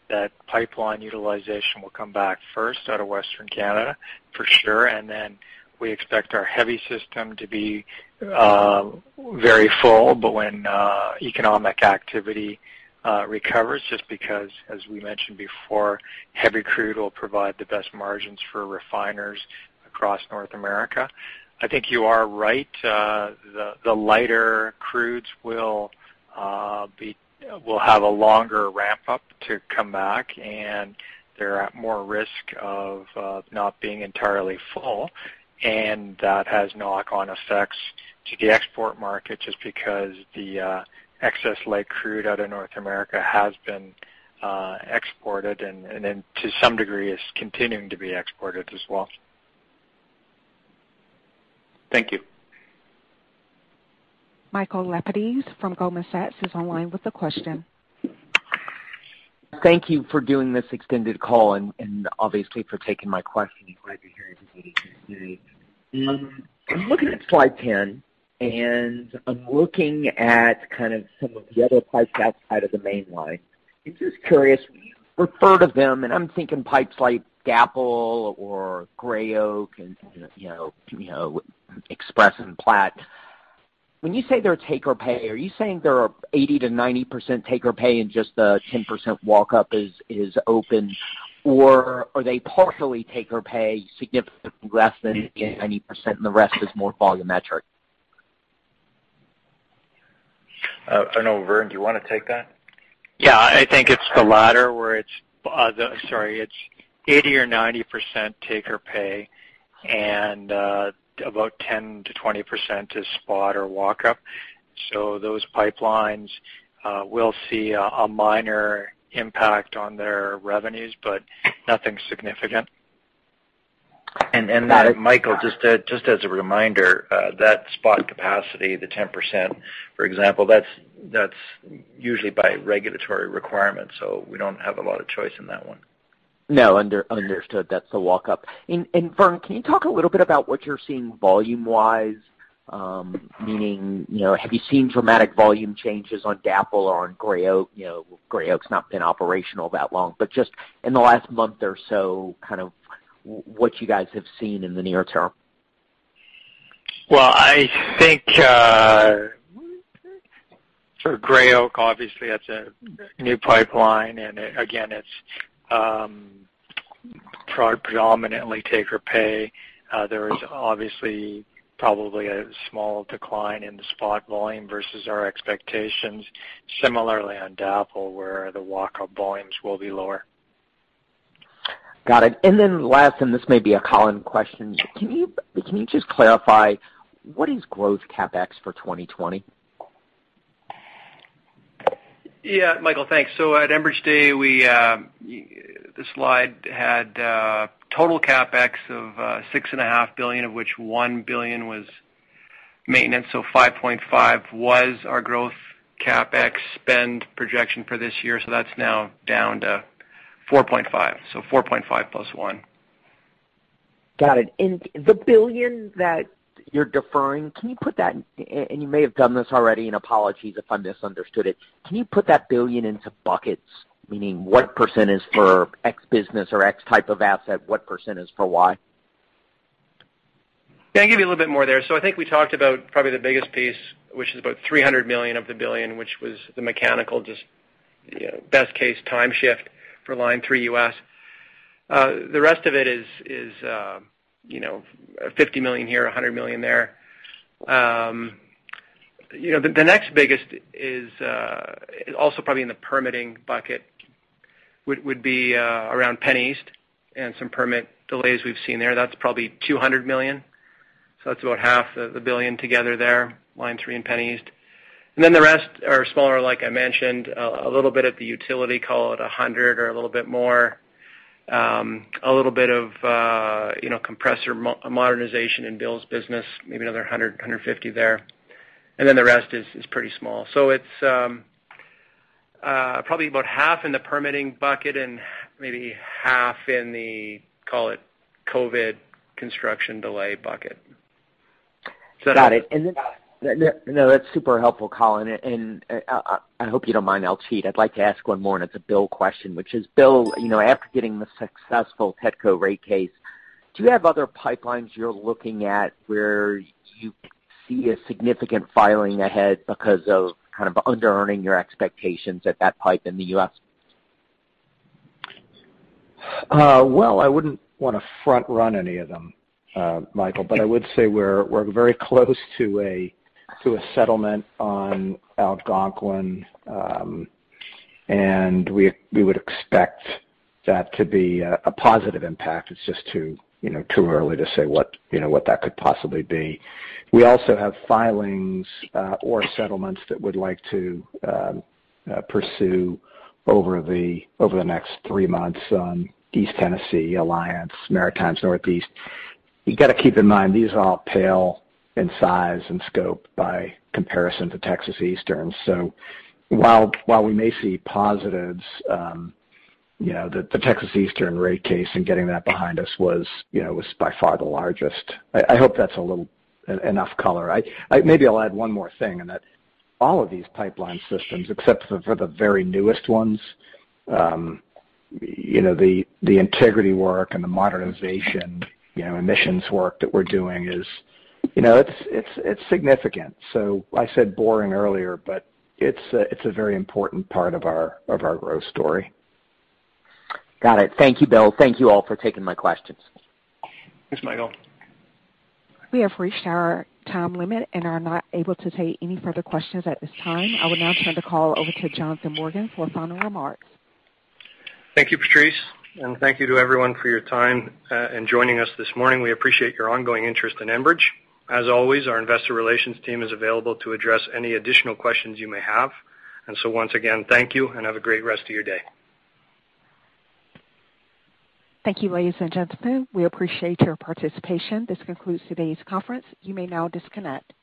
G: that pipeline utilization will come back first out of Western Canada for sure. Then we expect our heavy system to be very full, but when economic activity recovers, just because, as we mentioned before, heavy crude will provide the best margins for refiners across North America. I think you are right. The lighter crudes will have a longer ramp-up to come back, and they're at more risk of not being entirely full, and that has knock-on effects to the export market, just because the excess light crude out of North America has been exported and to some degree, is continuing to be exported as well.
Q: Thank you.
A: Michael Lapides from Goldman Sachs Group, Inc. is online with a question.
R: Thank you for doing this extended call and obviously for taking my question. I'm glad you're here. I'm looking at slide 10, and I'm looking at kind of some of the other pipes outside of the main line. I'm just curious, when you refer to them, and I'm thinking pipes like DAPL or Gray Oak and Express and Platte. When you say they're take-or-pay, are you saying they are 80%-90% take-or-pay and just the 10% walk up is open, or are they partially take-or-pay, significantly less than 90%, and the rest is more volumetric?
C: I don't know. Vern, do you want to take that?
G: Yeah, I think it's the latter, where it's 80% or 90% take-or-pay and about 10%-20% is spot or walk up. Those pipelines will see a minor impact on their revenues, but nothing significant.
C: Michael, just as a reminder, that spot capacity, the 10%, for example, that's usually by regulatory requirement. We don't have a lot of choice in that one.
R: No, understood. That's the walk up. Vern, can you talk a little bit about what you're seeing volume-wise? Meaning, have you seen dramatic volume changes on DAPL or on Gray Oak? Gray Oak's not been operational that long, but just in the last month or so, what you guys have seen in the near term.
G: Well, I think for Gray Oak, obviously, that's a new pipeline, and again, it's predominantly take-or-pay. There is obviously probably a small decline in the spot volume versus our expectations. Similarly, on DAPL, where the walk-up volumes will be lower.
R: Got it. Then last, and this may be a Colin question, can you just clarify what is growth CapEx for 2020?
D: Yeah. Michael, thanks. At Enbridge Day, the slide had total CapEx of 6.5 billion, of which 1 billion was maintenance. 5.5 billion was our growth CapEx spend projection for this year. That's now down to 4.5 billion. 4.5 billion plus 1 billion.
R: Got it. The 1 billion that you're deferring, and you may have done this already, and apologies if I misunderstood it, can you put that 1 billion into buckets? Meaning what percent is for X business or X type of asset, what percent is for Y?
D: Yeah, I'll give you a little bit more there. I think we talked about probably the biggest piece, which is about 300 million of the 1 billion, which was the mechanical, just best case time shift for Line 3 U.S. The rest of it is 50 million here, 100 million there. The next biggest is also probably in the permitting bucket, would be around PennEast and some permit delays we've seen there. That's probably 200 million. That's about half of the 1 billion together there, Line 3 and PennEast. The rest are smaller, like I mentioned, a little bit at the utility, call it 100 million or a little bit more. A little bit of compressor modernization in Bill's business, maybe another 100 million, 150 million there. The rest is pretty small. It's probably about half in the permitting bucket and maybe half in the, call it COVID construction delay bucket.
R: Got it. No, that's super helpful, Colin. I hope you don't mind, I'll cheat. I'd like to ask one more, and it's a Bill question, which is Bill, after getting the successful TETCO rate case, do you have other pipelines you're looking at where you see a significant filing ahead because of kind of under-earning your expectations at that pipe in the U.S.?
L: I wouldn't want to front-run any of them, Michael, but I would say we're very close to a settlement on Algonquin, and we would expect that to be a positive impact. It's just too early to say what that could possibly be. We also have filings or settlements that we'd like to pursue over the next three months on East Tennessee, Alliance, Maritimes & Northeast. You got to keep in mind, these all pale in size and scope by comparison to Texas Eastern. While we may see positives, the Texas Eastern rate case and getting that behind us was by far the largest. I hope that's enough color. Maybe I'll add one more thing, and that all of these pipeline systems, except for the very newest ones, the integrity work and the modernization, emissions work that we're doing is significant. I said boring earlier, but it's a very important part of our growth story.
R: Got it. Thank you, Bill. Thank you all for taking my questions.
C: Thanks, Michael.
A: We have reached our time limit and are not able to take any further questions at this time. I will now turn the call over to Jonathan Morgan for final remarks.
B: Thank you, Patrice, and thank you to everyone for your time and joining us this morning. We appreciate your ongoing interest in Enbridge. Once again, thank you, and have a great rest of your day.
A: Thank you, ladies and gentlemen. We appreciate your participation. This concludes today's conference. You may now disconnect.